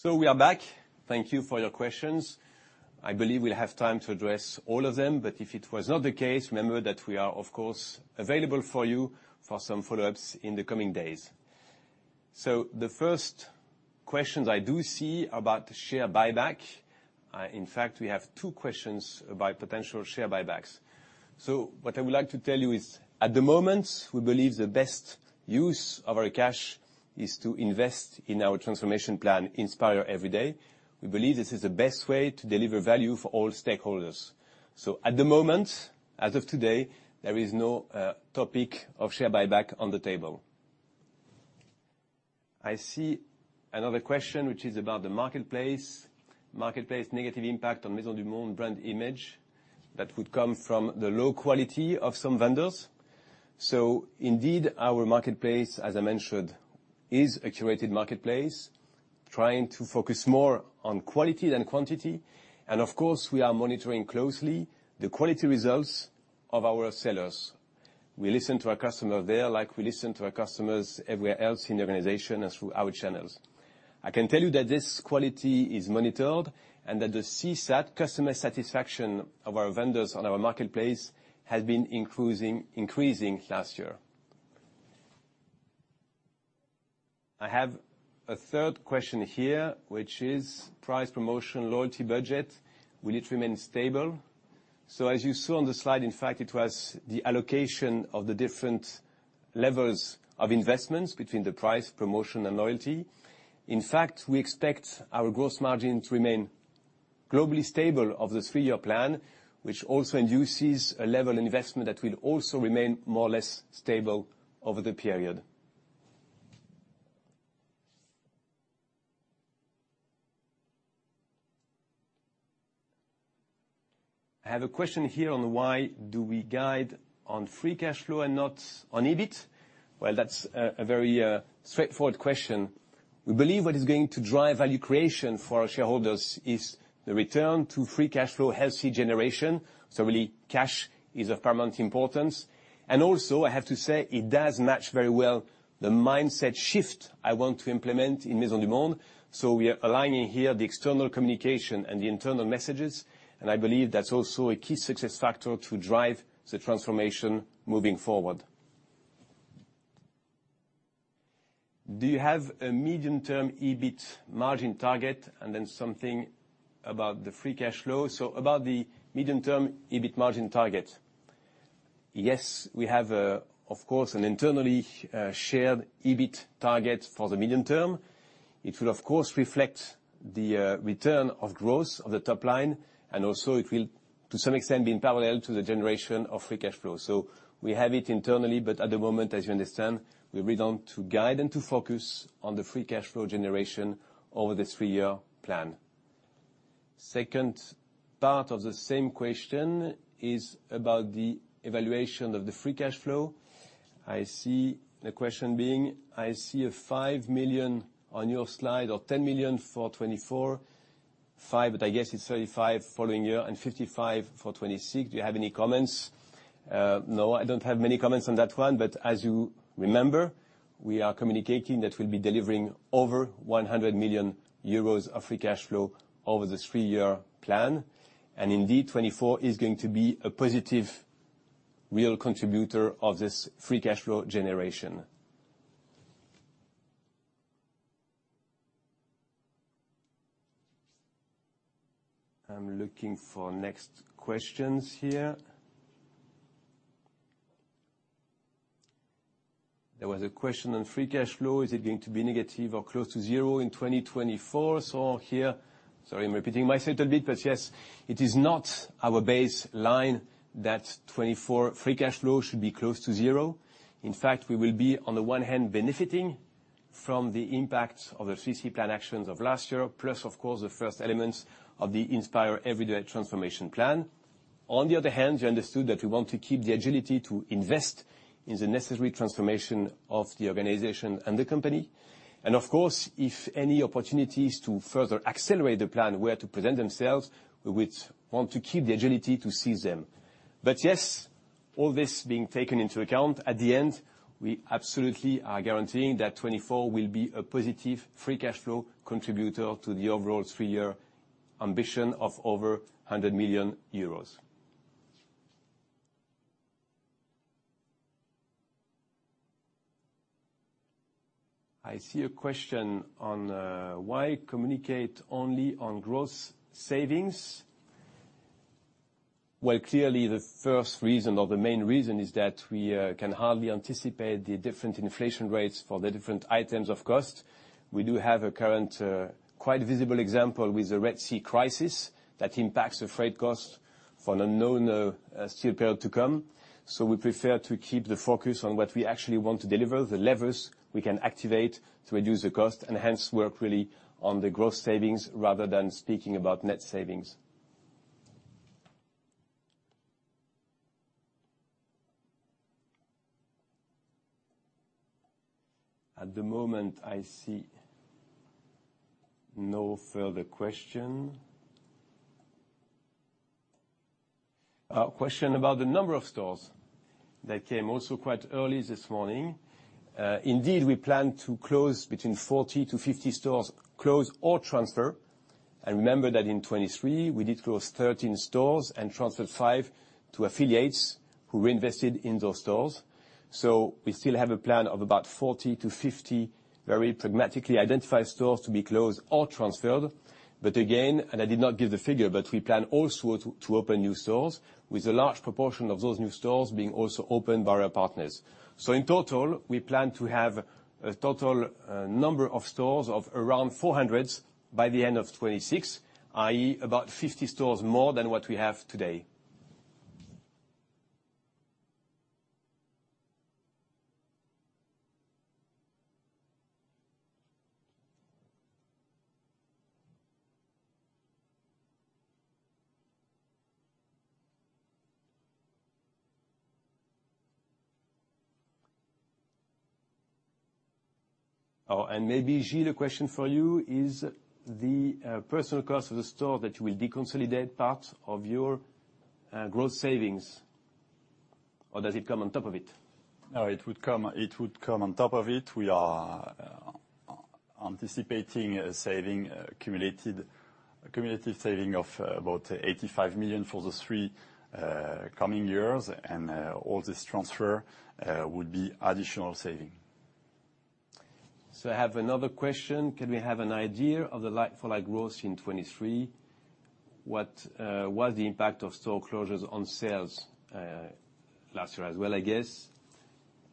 So we are back. Thank you for your questions. I believe we'll have time to address all of them, but if it was not the case, remember that we are, of course, available for you for some follow-ups in the coming days. So the first questions I do see are about the share buyback. In fact, we have two questions about potential share buybacks. So what I would like to tell you is, at the moment, we believe the best use of our cash is to invest in our transformation plan, Inspire Every Day. We believe this is the best way to deliver value for all stakeholders. So at the moment, as of today, there is no topic of share buyback on the table. I see another question, which is about the marketplace negative impact on Maisons du Monde brand image that would come from the low quality of some vendors. So indeed, our marketplace, as I mentioned, is a curated marketplace, trying to focus more on quality than quantity, and of course, we are monitoring closely the quality results of our sellers. We listen to our customer there, like we listen to our customers everywhere else in the organization and through our channels. I can tell you that this quality is monitored, and that the CSAT, customer satisfaction, of our vendors on our marketplace has been increasing, increasing last year. I have a third question here, which is price promotion, loyalty budget, will it remain stable? So as you saw on the slide, in fact, it was the allocation of the different levels of investments between the price, promotion, and loyalty. In fact, we expect our gross margin to remain globally stable of the three-year plan, which also induces a level investment that will also remain more or less stable over the period. I have a question here on why do we guide on free cash flow and not on EBIT? Well, that's a very straightforward question. We believe what is going to drive value creation for our shareholders is the return to free cash flow, healthy generation, so really, cash is of paramount importance. And also, I have to say, it does match very well the mindset shift I want to implement in Maisons du Monde, so we are aligning here the external communication and the internal messages, and I believe that's also a key success factor to drive the transformation moving forward. Do you have a medium-term EBIT margin target? And then something about the free cash flow. So about the medium-term EBIT margin target, yes, we have, of course, an internally shared EBIT target for the medium term. It will, of course, reflect the return of growth of the top line, and also it will, to some extent, be in parallel to the generation of free cash flow. So we have it internally, but at the moment, as you understand, we want to guide and to focus on the free cash flow generation over the three-year plan. Second part of the same question is about the evaluation of the free cash flow. I see the question being, I see a 5 million on your slide, or 10 million for 2024, 5, but I guess it's 35 following year, and 55 for 2026. Do you have any comments? No, I don't have many comments on that one, but as you remember, we are communicating that we'll be delivering over 100 million euros of free cash flow over this three-year plan. And indeed, 2024 is going to be a positive, real contributor of this free cash flow generation. I'm looking for next questions here. There was a question on free cash flow: Is it going to be negative or close to zero in 2024? So here, sorry, I'm repeating myself a little bit, but yes, it is not our baseline that 2024 free cash flow should be close to zero. In fact, we will be, on the one hand, benefiting from the impact of the 3C Plan actions of last year, plus, of course, the first elements of the Inspire Everyday transformation plan. On the other hand, you understood that we want to keep the agility to invest in the necessary transformation of the organization and the company. And of course, if any opportunities to further accelerate the plan were to present themselves, we would want to keep the agility to seize them. But yes, all this being taken into account, at the end, we absolutely are guaranteeing that 2024 will be a positive free cash flow contributor to the overall three-year ambition of over EUR 100 million. I see a question on, why communicate only on gross savings? Well, clearly, the first reason, or the main reason, is that we, can hardly anticipate the different inflation rates for the different items of cost. We do have a current, quite visible example with the Red Sea crisis that impacts the freight cost for an unknown, still period to come. So we prefer to keep the focus on what we actually want to deliver, the levers we can activate to reduce the cost, and hence, work really on the gross savings rather than speaking about net savings. At the moment, I see no further question. A question about the number of stores that came also quite early this morning. Indeed, we plan to close between 40-50 stores, close or transfer, and remember that in 2023, we did close 13 stores and transferred five to affiliates who reinvested in those stores. So we still have a plan of about 40-50 very pragmatically identified stores to be closed or transferred. But again, and I did not give the figure, but we plan also to open new stores, with a large proportion of those new stores being also opened by our partners. So in total, we plan to have a total number of stores of around 400 by the end of 2026, i.e., about 50 stores more than what we have today. Oh, and maybe, Gilles, a question for you: is the personnel cost of the store that you will deconsolidate part of your gross savings, or does it come on top of it? It would come, it would come on top of it. We are anticipating a saving, a cumulative saving of about 85 million for the three coming years, and all this transfer would be additional saving. So I have another question: Can we have an idea of the Like-for-Like growth in 2023? What was the impact of store closures on sales last year as well, I guess?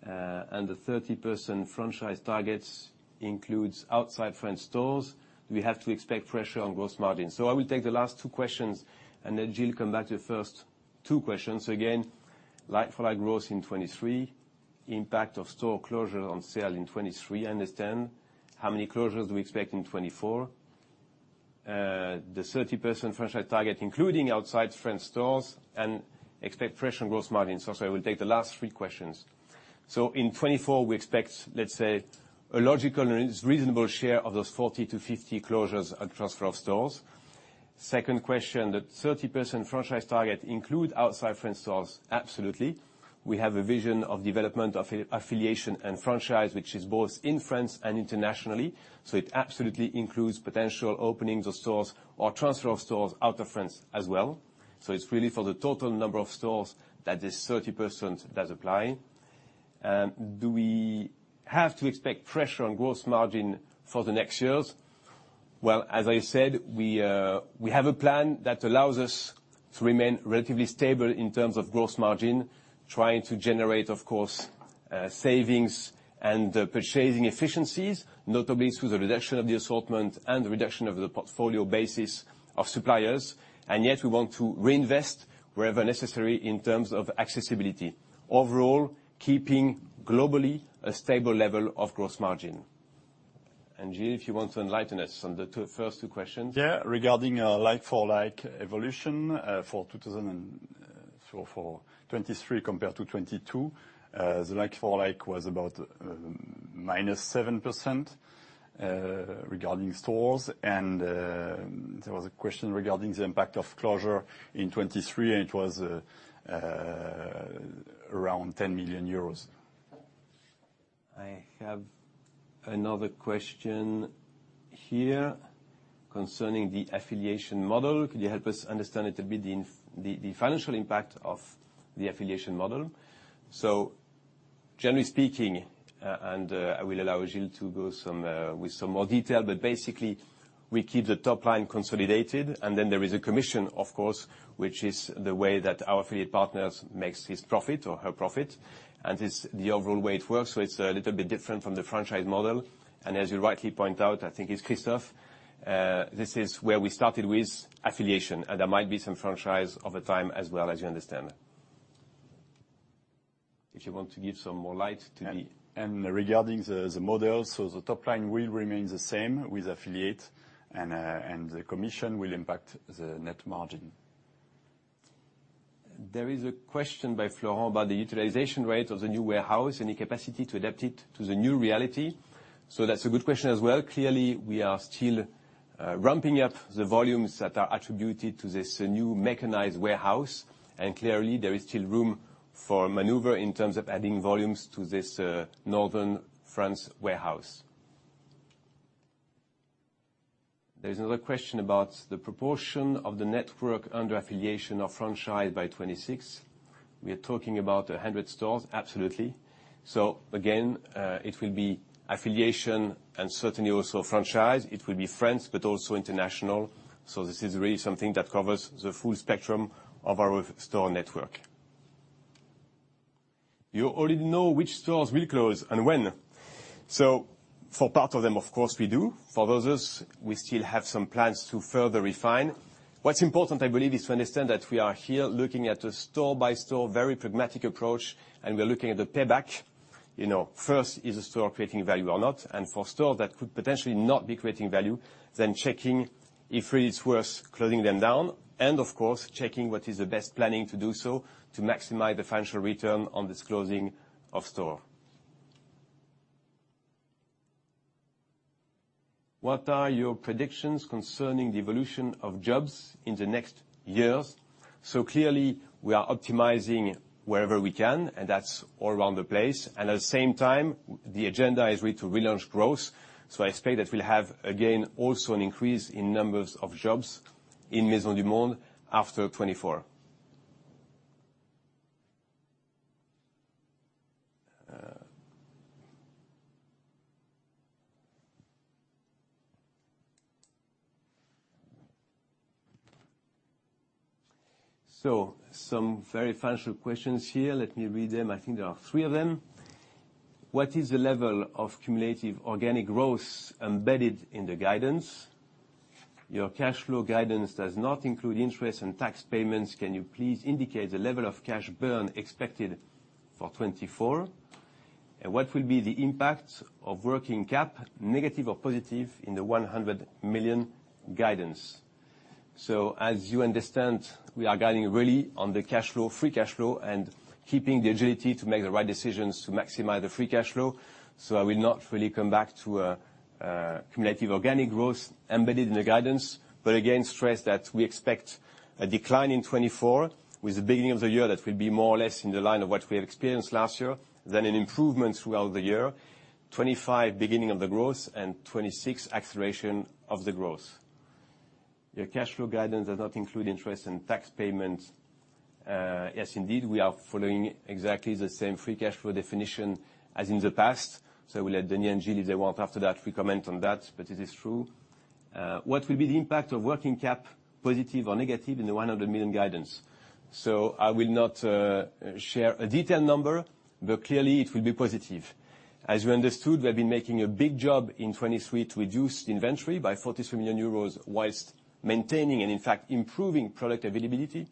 And the 30% franchise targets includes outside French stores, we have to expect pressure on gross margin. So I will take the last two questions, and then, Gilles, come back to the first two questions. So again, Like-for-Like growth in 2023, impact of store closure on sale in 2023, I understand. How many closures do we expect in 2024? The 30% franchise target, including outside French stores, and expect pressure on gross margin. So I will take the last three questions. So in 2024, we expect, let's say, a logical and reasonable share of those 40-50 closures and transfer of stores. Second question, that 30% franchise target include outside French stores? Absolutely. We have a vision of development of affiliation and franchise, which is both in France and internationally, so it absolutely includes potential openings of stores or transfer of stores out of France as well. So it's really for the total number of stores that this 30% does apply. And do we have to expect pressure on gross margin for the next years? Well, as I said, we, we have a plan that allows us to remain relatively stable in terms of gross margin, trying to generate, of course, savings and, purchasing efficiencies, notably through the reduction of the assortment and the reduction of the portfolio basis of suppliers, and yet we want to reinvest wherever necessary in terms of accessibility. Overall, keeping globally a stable level of gross margin. Gilles, if you want to enlighten us on the two, first two questions. Yeah, regarding Like-for-Like evolution for 2023 compared to 2022, the Like-for-Like was about -7% regarding stores. There was a question regarding the impact of closure in 2023, and it was around EUR 10 million. I have another question here concerning the affiliation model. Could you help us understand it a bit, the financial impact of the affiliation model? So generally speaking, and, I will allow Gilles to go some, with some more detail, but basically, we keep the top line consolidated, and then there is a commission, of course, which is the way that our affiliate partners makes his profit or her profit, and it's the overall way it works, so it's a little bit different from the franchise model. And as you rightly point out, I think it's Christophe, this is where we started with affiliation, and there might be some franchise over time as well, as you understand. If you want to give some more light to the- And regarding the model, so the top line will remain the same with affiliate, and the commission will impact the net margin. There is a question by Florent about the utilization rate of the new warehouse, any capacity to adapt it to the new reality? So that's a good question as well. Clearly, we are still ramping up the volumes that are attributed to this new mechanized warehouse, and clearly, there is still room for maneuver in terms of adding volumes to this northern France warehouse. There is another question about the proportion of the network under affiliation or franchise by 2026. We are talking about 100 stores, absolutely. So again, it will be affiliation and certainly also franchise. It will be France, but also international, so this is really something that covers the full spectrum of our store network. You already know which stores will close and when? So for part of them, of course, we do. For others, we still have some plans to further refine. What's important, I believe, is to understand that we are here looking at a store-by-store, very pragmatic approach, and we're looking at the payback. You know, first, is a store creating value or not? And for store that could potentially not be creating value, then checking if really it's worth closing them down, and of course, checking what is the best planning to do so to maximize the financial return on this closing of store. What are your predictions concerning the evolution of jobs in the next years? So clearly, we are optimizing wherever we can, and that's all around the place, and at the same time, the agenda is really to relaunch growth. So I expect that we'll have, again, also an increase in numbers of jobs in Maisons du Monde after 2024. So some very financial questions here. Let me read them. I think there are three of them. What is the level of cumulative organic growth embedded in the guidance? Your cash flow guidance does not include interest and tax payments. Can you please indicate the level of cash burn expected for 2024? And what will be the impact of working cap, negative or positive, in the 100 million guidance? So as you understand, we are guiding really on the cash flow, free cash flow, and keeping the agility to make the right decisions to maximize the free cash flow. So I will not really come back to a cumulative organic growth embedded in the guidance, but again, stress that we expect a decline in 2024, with the beginning of the year, that will be more or less in the line of what we have experienced last year, then an improvement throughout the year, 2025, beginning of the growth, and 2026, acceleration of the growth. Your cash flow guidance does not include interest and tax payments. Yes, indeed, we are following exactly the same free cash flow definition as in the past, so I will let Denis and Gilles, if they want, after that, we comment on that, but it is true. What will be the impact of working cap, positive or negative, in the 100 million guidance? So I will not share a detailed number, but clearly it will be positive. As you understood, we have been making a big job in 2023 to reduce inventory by 43 million euros while maintaining and, in fact, improving product availability.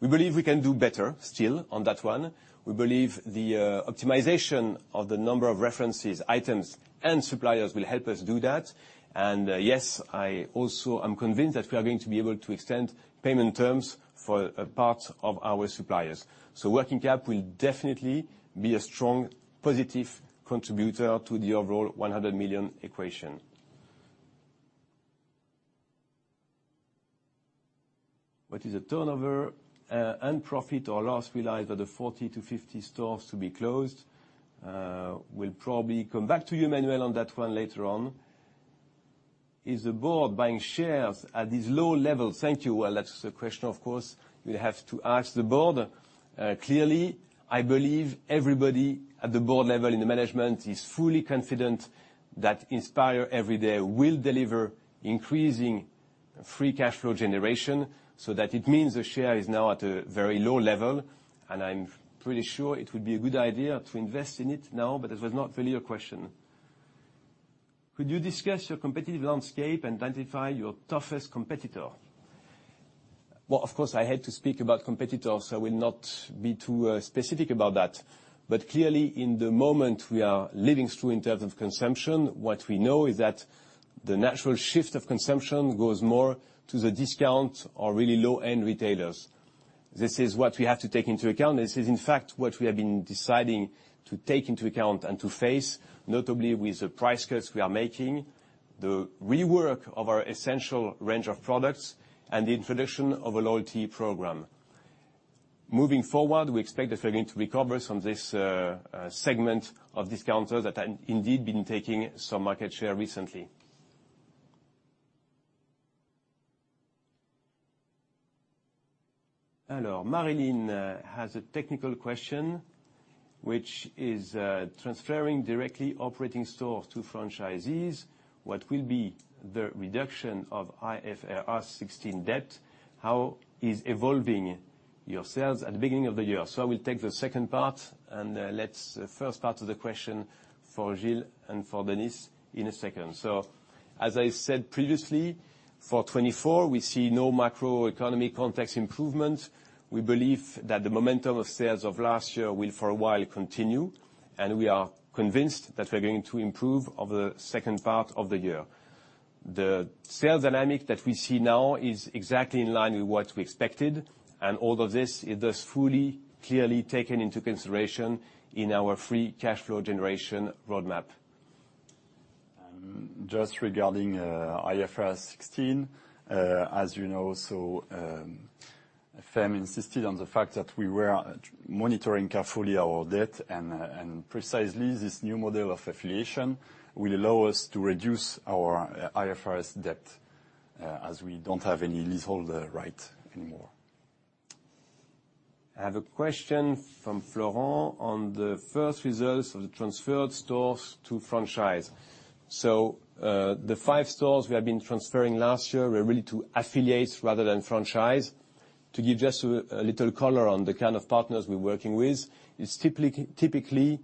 We believe we can do better still on that one. We believe the optimization of the number of references, items, and suppliers will help us do that. And, yes, I also am convinced that we are going to be able to extend payment terms for a part of our suppliers. So working cap will definitely be a strong positive contributor to the overall 100 million equation. What is the turnover and profit or loss realized by the 40-50 stores to be closed? We'll probably come back to you, Manuel, on that one later on. Is the board buying shares at these low levels? Thank you. Well, that's a question, of course, you have to ask the board. Clearly, I believe everybody at the board level in the management is fully confident that Inspire Everyday will deliver increasing free cash flow generation, so that it means the share is now at a very low level, and I'm pretty sure it would be a good idea to invest in it now, but that was not really your question. Could you discuss your competitive landscape and identify your toughest competitor? Well, of course, I hate to speak about competitors, so I will not be too specific about that. But clearly, in the moment we are living through in terms of consumption, what we know is that the natural shift of consumption goes more to the discount or really low-end retailers. This is what we have to take into account. This is, in fact, what we have been deciding to take into account and to face, notably with the price cuts we are making, the rework of our essential range of products, and the introduction of a loyalty program. Moving forward, we expect that we're going to recover from this, segment of discounters that have indeed been taking some market share recently. Hello, Marlene has a technical question, which is, transferring directly operating stores to franchisees, what will be the reduction of IFRS 16 debt? How is evolving your sales at the beginning of the year? So I will take the second part, and the first part of the question for Gilles and for Denis in a second. So as I said previously, for 2024, we see no macroeconomy context improvement. We believe that the momentum of sales of last year will, for a while, continue, and we are convinced that we're going to improve over the second part of the year. The sales dynamic that we see now is exactly in line with what we expected, and all of this is, thus, fully, clearly taken into consideration in our free cash flow generation roadmap. Just regarding IFRS 16, as you know, FM insisted on the fact that we were monitoring carefully our debt, and precisely, this new model of affiliation will allow us to reduce our IFRS debt, as we don't have any leaseholder right anymore. I have a question from Florent on the first results of the transferred stores to franchise. So, the five stores we have been transferring last year were really to affiliates rather than franchise. To give just a little color on the kind of partners we're working with, it's typically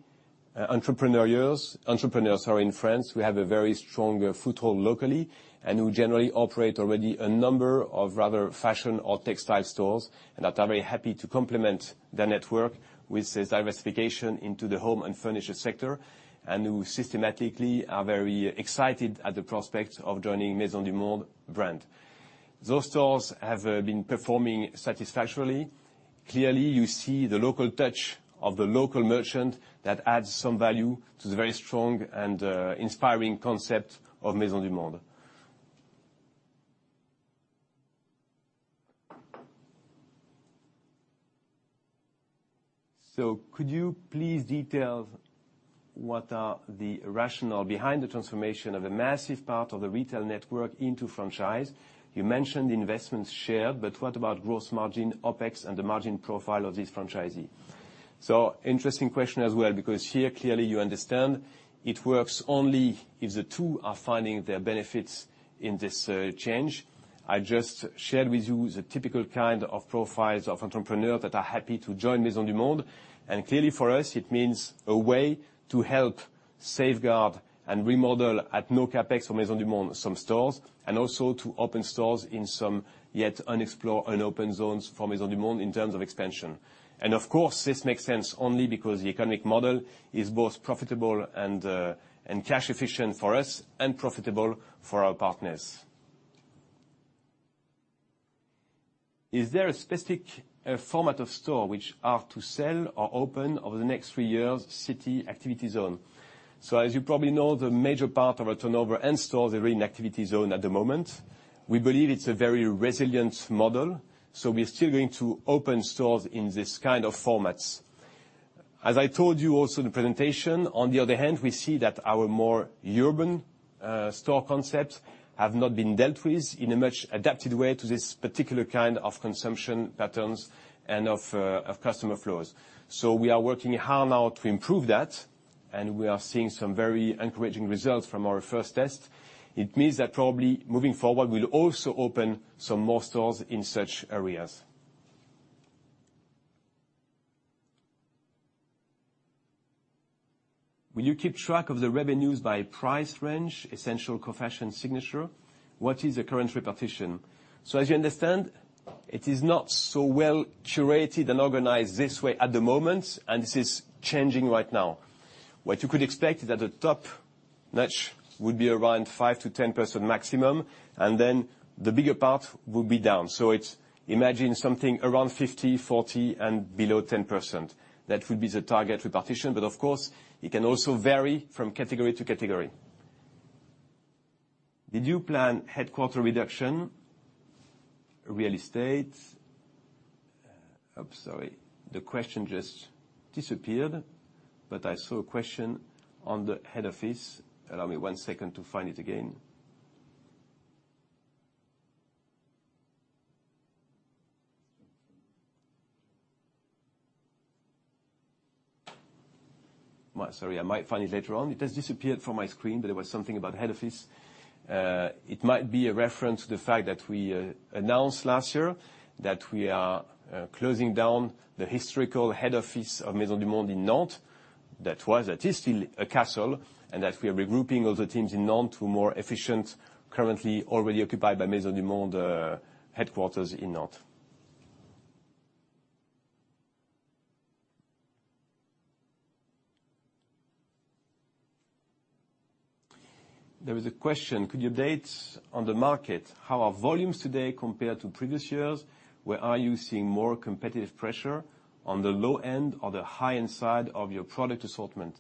entrepreneurs, entrepreneurs who are in France, who have a very strong foothold locally and who generally operate already a number of rather fashion or textile stores, and that are very happy to complement their network with this diversification into the home and furniture sector, and who systematically are very excited at the prospect of joining Maisons du Monde brand. Those stores have been performing satisfactorily. Clearly, you see the local touch of the local merchant that adds some value to the very strong and inspiring concept of Maisons du Monde. So could you please detail what are the rationale behind the transformation of a massive part of the retail network into franchise? You mentioned the investment share, but what about gross margin, OpEx, and the margin profile of this franchisee? So interesting question as well, because here, clearly, you understand it works only if the two are finding their benefits in this change. I just shared with you the typical kind of profiles of entrepreneurs that are happy to join Maisons du Monde, and clearly, for us, it means a way to help safeguard and remodel at no CapEx for Maisons du Monde some stores, and also to open stores in some yet unexplored and open zones for Maisons du Monde in terms of expansion. Of course, this makes sense only because the economic model is both profitable and cash efficient for us and profitable for our partners. Is there a specific format of store which are to sell or open over the next three years, city, activity zone? As you probably know, the major part of our turnover and stores are in activity zone at the moment. We believe it's a very resilient model, so we are still going to open stores in this kind of formats. As I told you also in the presentation, on the other hand, we see that our more urban store concepts have not been dealt with in a much adapted way to this particular kind of consumption patterns and of customer flows. We are working hard now to improve that... We are seeing some very encouraging results from our first test. It means that probably moving forward, we'll also open some more stores in such areas. Will you keep track of the revenues by price range, essential co-fashion signature? What is the current repetition? As you understand, it is not so well curated and organized this way at the moment, and this is changing right now. What you could expect is that the top notch would be around 5%-10% maximum, and then the bigger part will be down. So it's, imagine something around 50%, 40%, and below 10%. That would be the target repetition, but of course, it can also vary from category to category. Did you plan headquarters reduction, real estate? I'm sorry, the question just disappeared, but I saw a question on the head office. Allow me one second to find it again. Well, sorry, I might find it later on. It has disappeared from my screen, but there was something about head office. It might be a reference to the fact that we announced last year that we are closing down the historical head office of Maisons du Monde in Nantes. That is still a castle, and that we are regrouping all the teams in Nantes to more efficient, currently already occupied by Maisons du Monde, headquarters in Nantes. There was a question: Could you update on the market, how are volumes today compared to previous years? Where are you seeing more competitive pressure, on the low end or the high end side of your product assortment?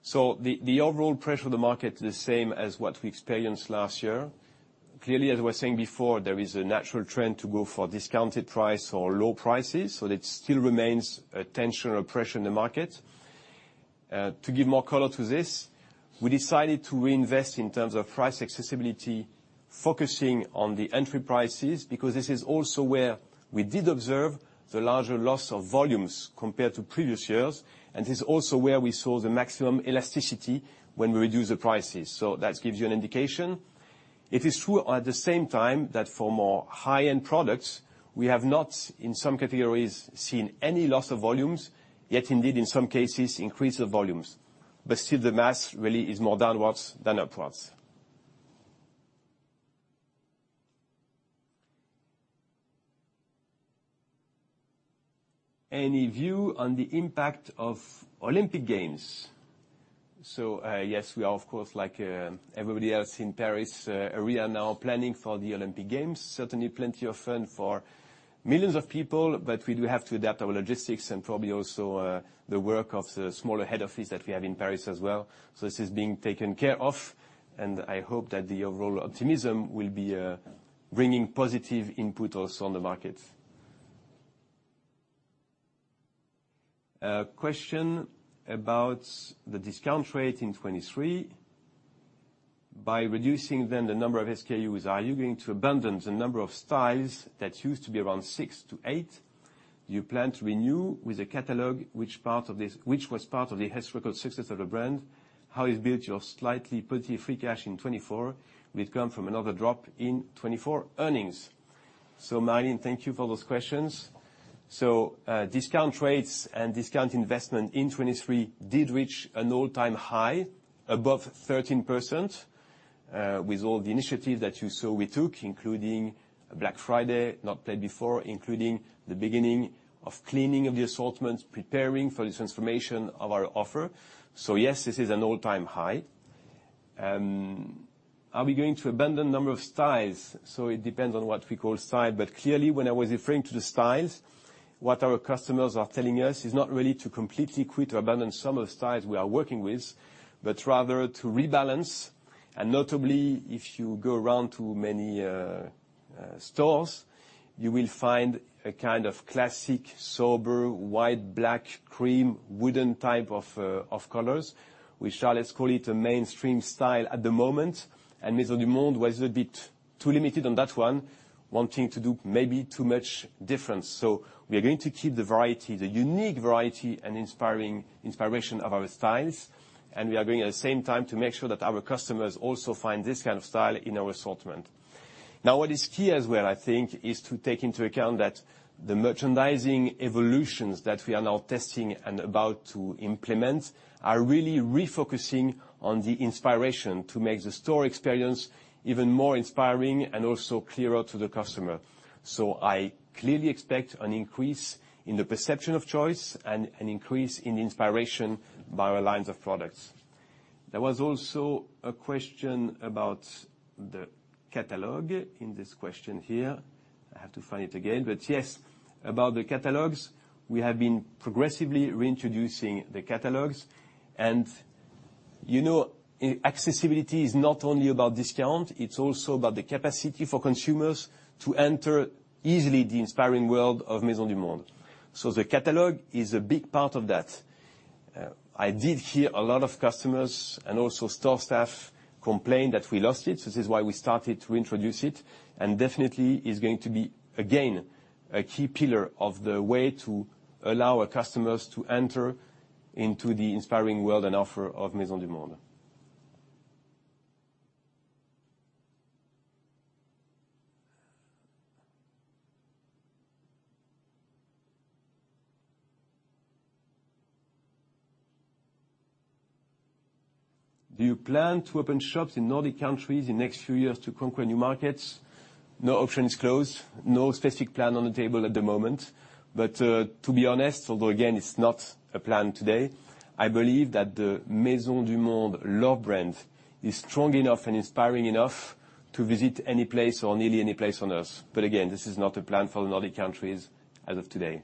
So the overall pressure on the market is the same as what we experienced last year. Clearly, as I was saying before, there is a natural trend to go for discounted price or low prices, so that still remains a tension or pressure in the market. To give more color to this, we decided to reinvest in terms of price accessibility, focusing on the entry prices, because this is also where we did observe the larger loss of volumes compared to previous years, and this is also where we saw the maximum elasticity when we reduce the prices. So that gives you an indication. It is true, at the same time, that for more high-end products, we have not, in some categories, seen any loss of volumes, yet indeed, in some cases, increase the volumes. But still, the mass really is more downwards than upwards. Any view on the impact of Olympic Games? So, yes, we are, of course, like, everybody else in Paris, we are now planning for the Olympic Games. Certainly plenty of fun for millions of people, but we do have to adapt our logistics and probably also, the work of the smaller head office that we have in Paris as well. So this is being taken care of, and I hope that the overall optimism will be, bringing positive input also on the market. A question about the discount rate in 2023. By reducing then the number of SKUs, are you going to abandon the number of styles that used to be around 6-8? Do you plan to renew with a catalog, which was part of the historical success of the brand? How do you build your slightly positive free cash flow in 2024, which comes from another drop in 2024 earnings? So Marlene, thank you for those questions. So, discount rates and discount investment in 2023 did reach an all-time high, above 13%, with all the initiatives that you saw we took, including Black Friday, not paid before, including the beginning of cleaning of the assortments, preparing for the transformation of our offer. So yes, this is an all-time high. Are we going to abandon number of styles? So it depends on what we call style, but clearly, when I was referring to the styles, what our customers are telling us is not really to completely quit or abandon some of the styles we are working with, but rather to rebalance. Notably, if you go around to many stores, you will find a kind of classic, sober, white, black, cream, wooden type of colors, which are, let's call it, a mainstream style at the moment. Maisons du Monde was a bit too limited on that one, wanting to do maybe too much difference. We are going to keep the variety, the unique variety and inspiring, inspiration of our styles, and we are going at the same time to make sure that our customers also find this kind of style in our assortment. Now, what is key as well, I think, is to take into account that the merchandising evolutions that we are now testing and about to implement are really refocusing on the inspiration to make the store experience even more inspiring and also clearer to the customer. So I clearly expect an increase in the perception of choice and an increase in inspiration by our lines of products. There was also a question about the catalog in this question here. I have to find it again. But yes, about the catalogs, we have been progressively reintroducing the catalogs. And, you know, accessibility is not only about discount, it's also about the capacity for consumers to enter easily the inspiring world of Maisons du Monde. So the catalog is a big part of that. I did hear a lot of customers and also store staff complain that we lost it, so this is why we started to introduce it, and definitely is going to be, again, a key pillar of the way to allow our customers to enter into the inspiring world and offer of Maisons du Monde. Do you plan to open shops in Nordic countries in next few years to conquer new markets? No option is closed. No specific plan on the table at the moment, but, to be honest, although again, it's not a plan today, I believe that the Maisons du Monde love brand is strong enough and inspiring enough to visit any place or nearly any place on Earth. But again, this is not a plan for the Nordic countries as of today.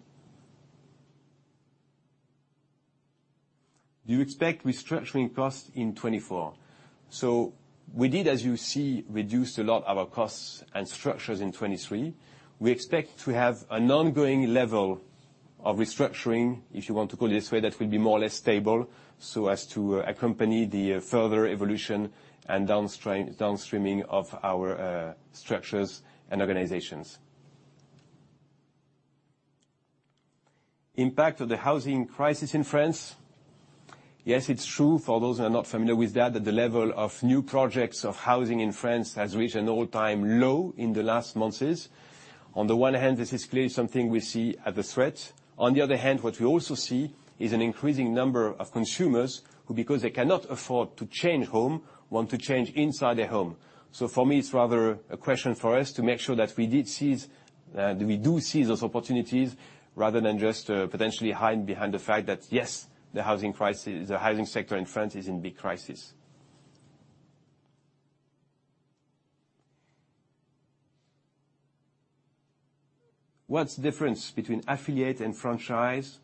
Do you expect restructuring costs in 2024? So we did, as you see, reduced a lot our costs and structures in 2023. We expect to have an ongoing level of restructuring, if you want to call it this way, that will be more or less stable so as to accompany the further evolution and downstreaming of our, structures and organizations. Impact of the housing crisis in France? Yes, it's true, for those who are not familiar with that, that the level of new projects of housing in France has reached an all-time low in the last months. On the one hand, this is clearly something we see as a threat. On the other hand, what we also see is an increasing number of consumers who, because they cannot afford to change home, want to change inside their home. So for me, it's rather a question for us to make sure that we did seize, that we do seize those opportunities, rather than just, potentially hide behind the fact that, yes, the housing crisis, the housing sector in France is in big crisis. What's the difference between affiliate and franchise?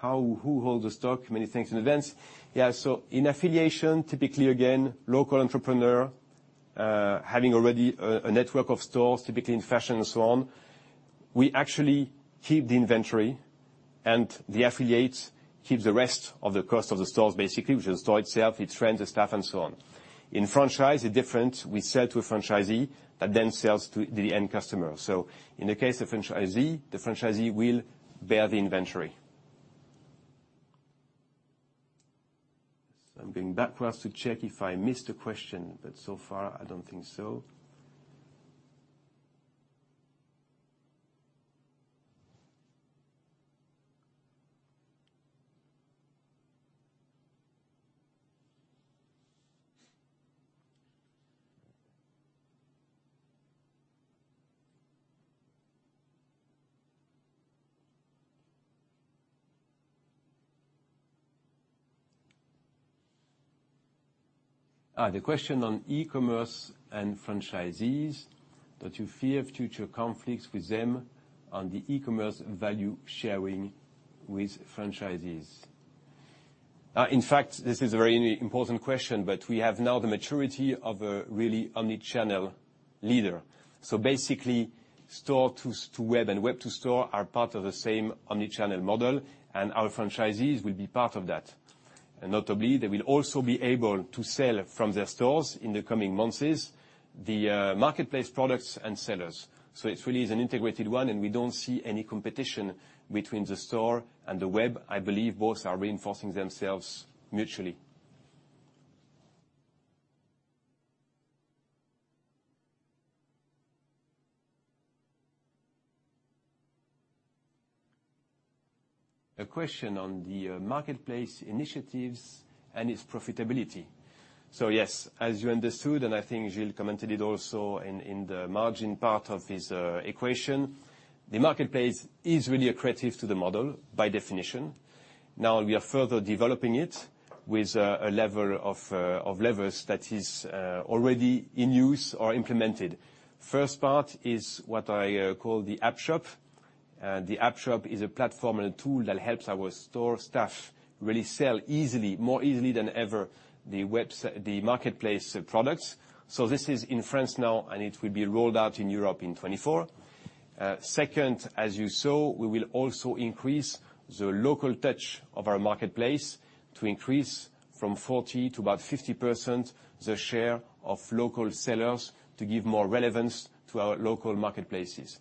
How, who holds the stock? Many thanks in advance. Yeah, so in affiliation, typically, again, local entrepreneur, having already a network of stores, typically in fashion and so on, we actually keep the inventory, and the affiliate keeps the rest of the cost of the stores, basically, which is the store itself, its rent, the staff, and so on. In franchise, it's different. We sell to a franchisee that then sells to the end customer. So in the case of franchisee, the franchisee will bear the inventory. So I'm going backwards to check if I missed a question, but so far I don't think so. The question on e-commerce and franchisees: Don't you fear future conflicts with them on the e-commerce value sharing with franchisees? In fact, this is a very important question, but we have now the maturity of a really omni-channel leader. So basically, store to web and web to store are part of the same Omni-Channel model, and our franchisees will be part of that. And notably, they will also be able to sell from their stores in the coming months, the marketplace products and sellers. So it really is an integrated one, and we don't see any competition between the store and the web. I believe both are reinforcing themselves mutually. A question on the marketplace initiatives and its profitability. So yes, as you understood, and I think Gilles commented it also in the margin part of this equation, the marketplace is really accretive to the model, by definition. Now we are further developing it with a level of levers that is already in use or implemented. First part is what I call the AppShop. The AppShop is a platform and a tool that helps our store staff really sell easily, more easily than ever, the website, the marketplace products. So this is in France now, and it will be rolled out in Europe in 2024. Second, as you saw, we will also increase the local touch of our marketplace to increase from 40% to about 50% the share of local sellers to give more relevance to our local marketplaces.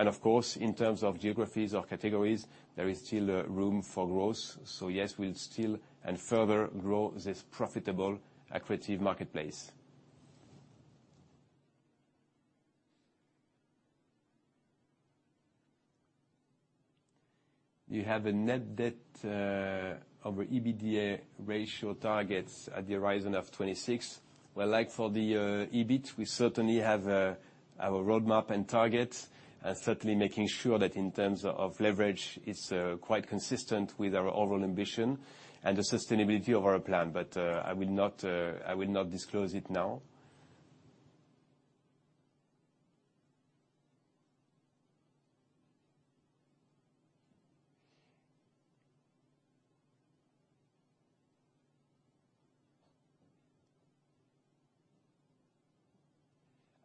And of course, in terms of geographies or categories, there is still room for growth. So yes, we'll still and further grow this profitable accretive marketplace. You have a net debt over EBITDA ratio targets at the horizon of 2026. Well, like for the EBIT, we certainly have our roadmap and targets, and certainly making sure that in terms of leverage, it's quite consistent with our overall ambition and the sustainability of our plan, but I will not disclose it now.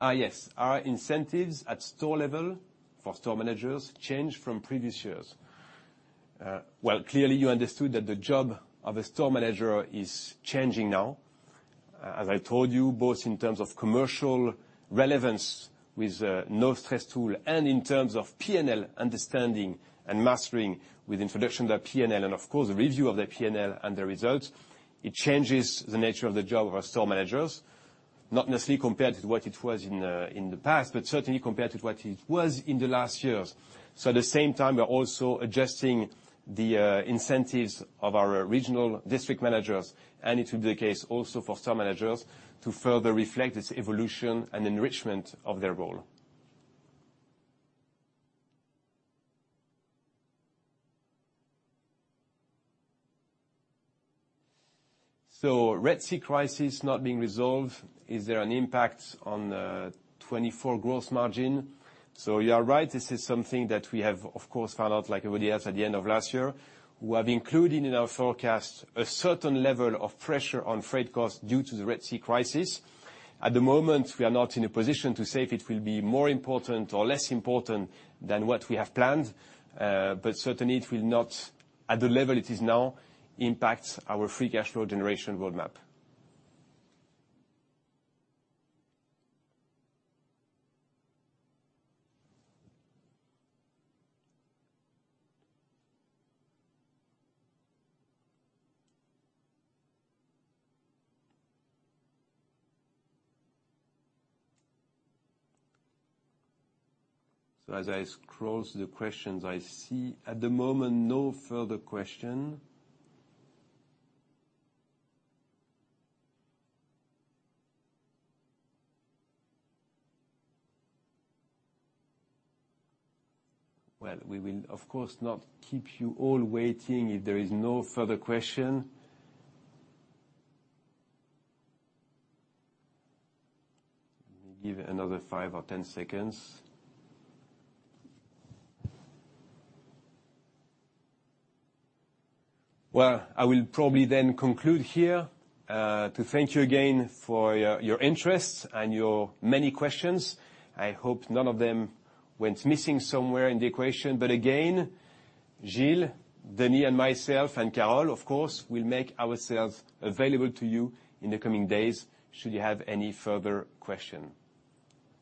Ah, yes. Are incentives at store level for store managers changed from previous years? Well, clearly, you understood that the job of a store manager is changing now. As I told you, both in terms of commercial relevance with the No Stress tool, and in terms of PNL understanding and mastering with introduction to PNL, and of course the review of the PNL and the results, it changes the nature of the job of our store managers. Not necessarily compared to what it was in the past, but certainly compared to what it was in the last years. So at the same time, we are also adjusting the incentives of our regional district managers, and it will be the case also for store managers to further reflect this evolution and enrichment of their role. So Red Sea crisis not being resolved, is there an impact on the 2024 growth margin? So you are right, this is something that we have, of course, found out, like everybody else, at the end of last year. We have included in our forecast a certain level of pressure on freight costs due to the Red Sea crisis. At the moment, we are not in a position to say if it will be more important or less important than what we have planned, but certainly it will not, at the level it is now, impact our free cash flow generation roadmap. So as I scroll through the questions, I see at the moment no further question. Well, we will, of course, not keep you all waiting if there is no further question. Let me give it another 5 or 10 seconds. Well, I will probably then conclude here, to thank you again for your, your interest and your many questions. I hope none of them went missing somewhere in the equation. But again, Gilles, Denis, and myself, and Carole, of course, will make ourselves available to you in the coming days should you have any further question.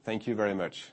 Thank you very much!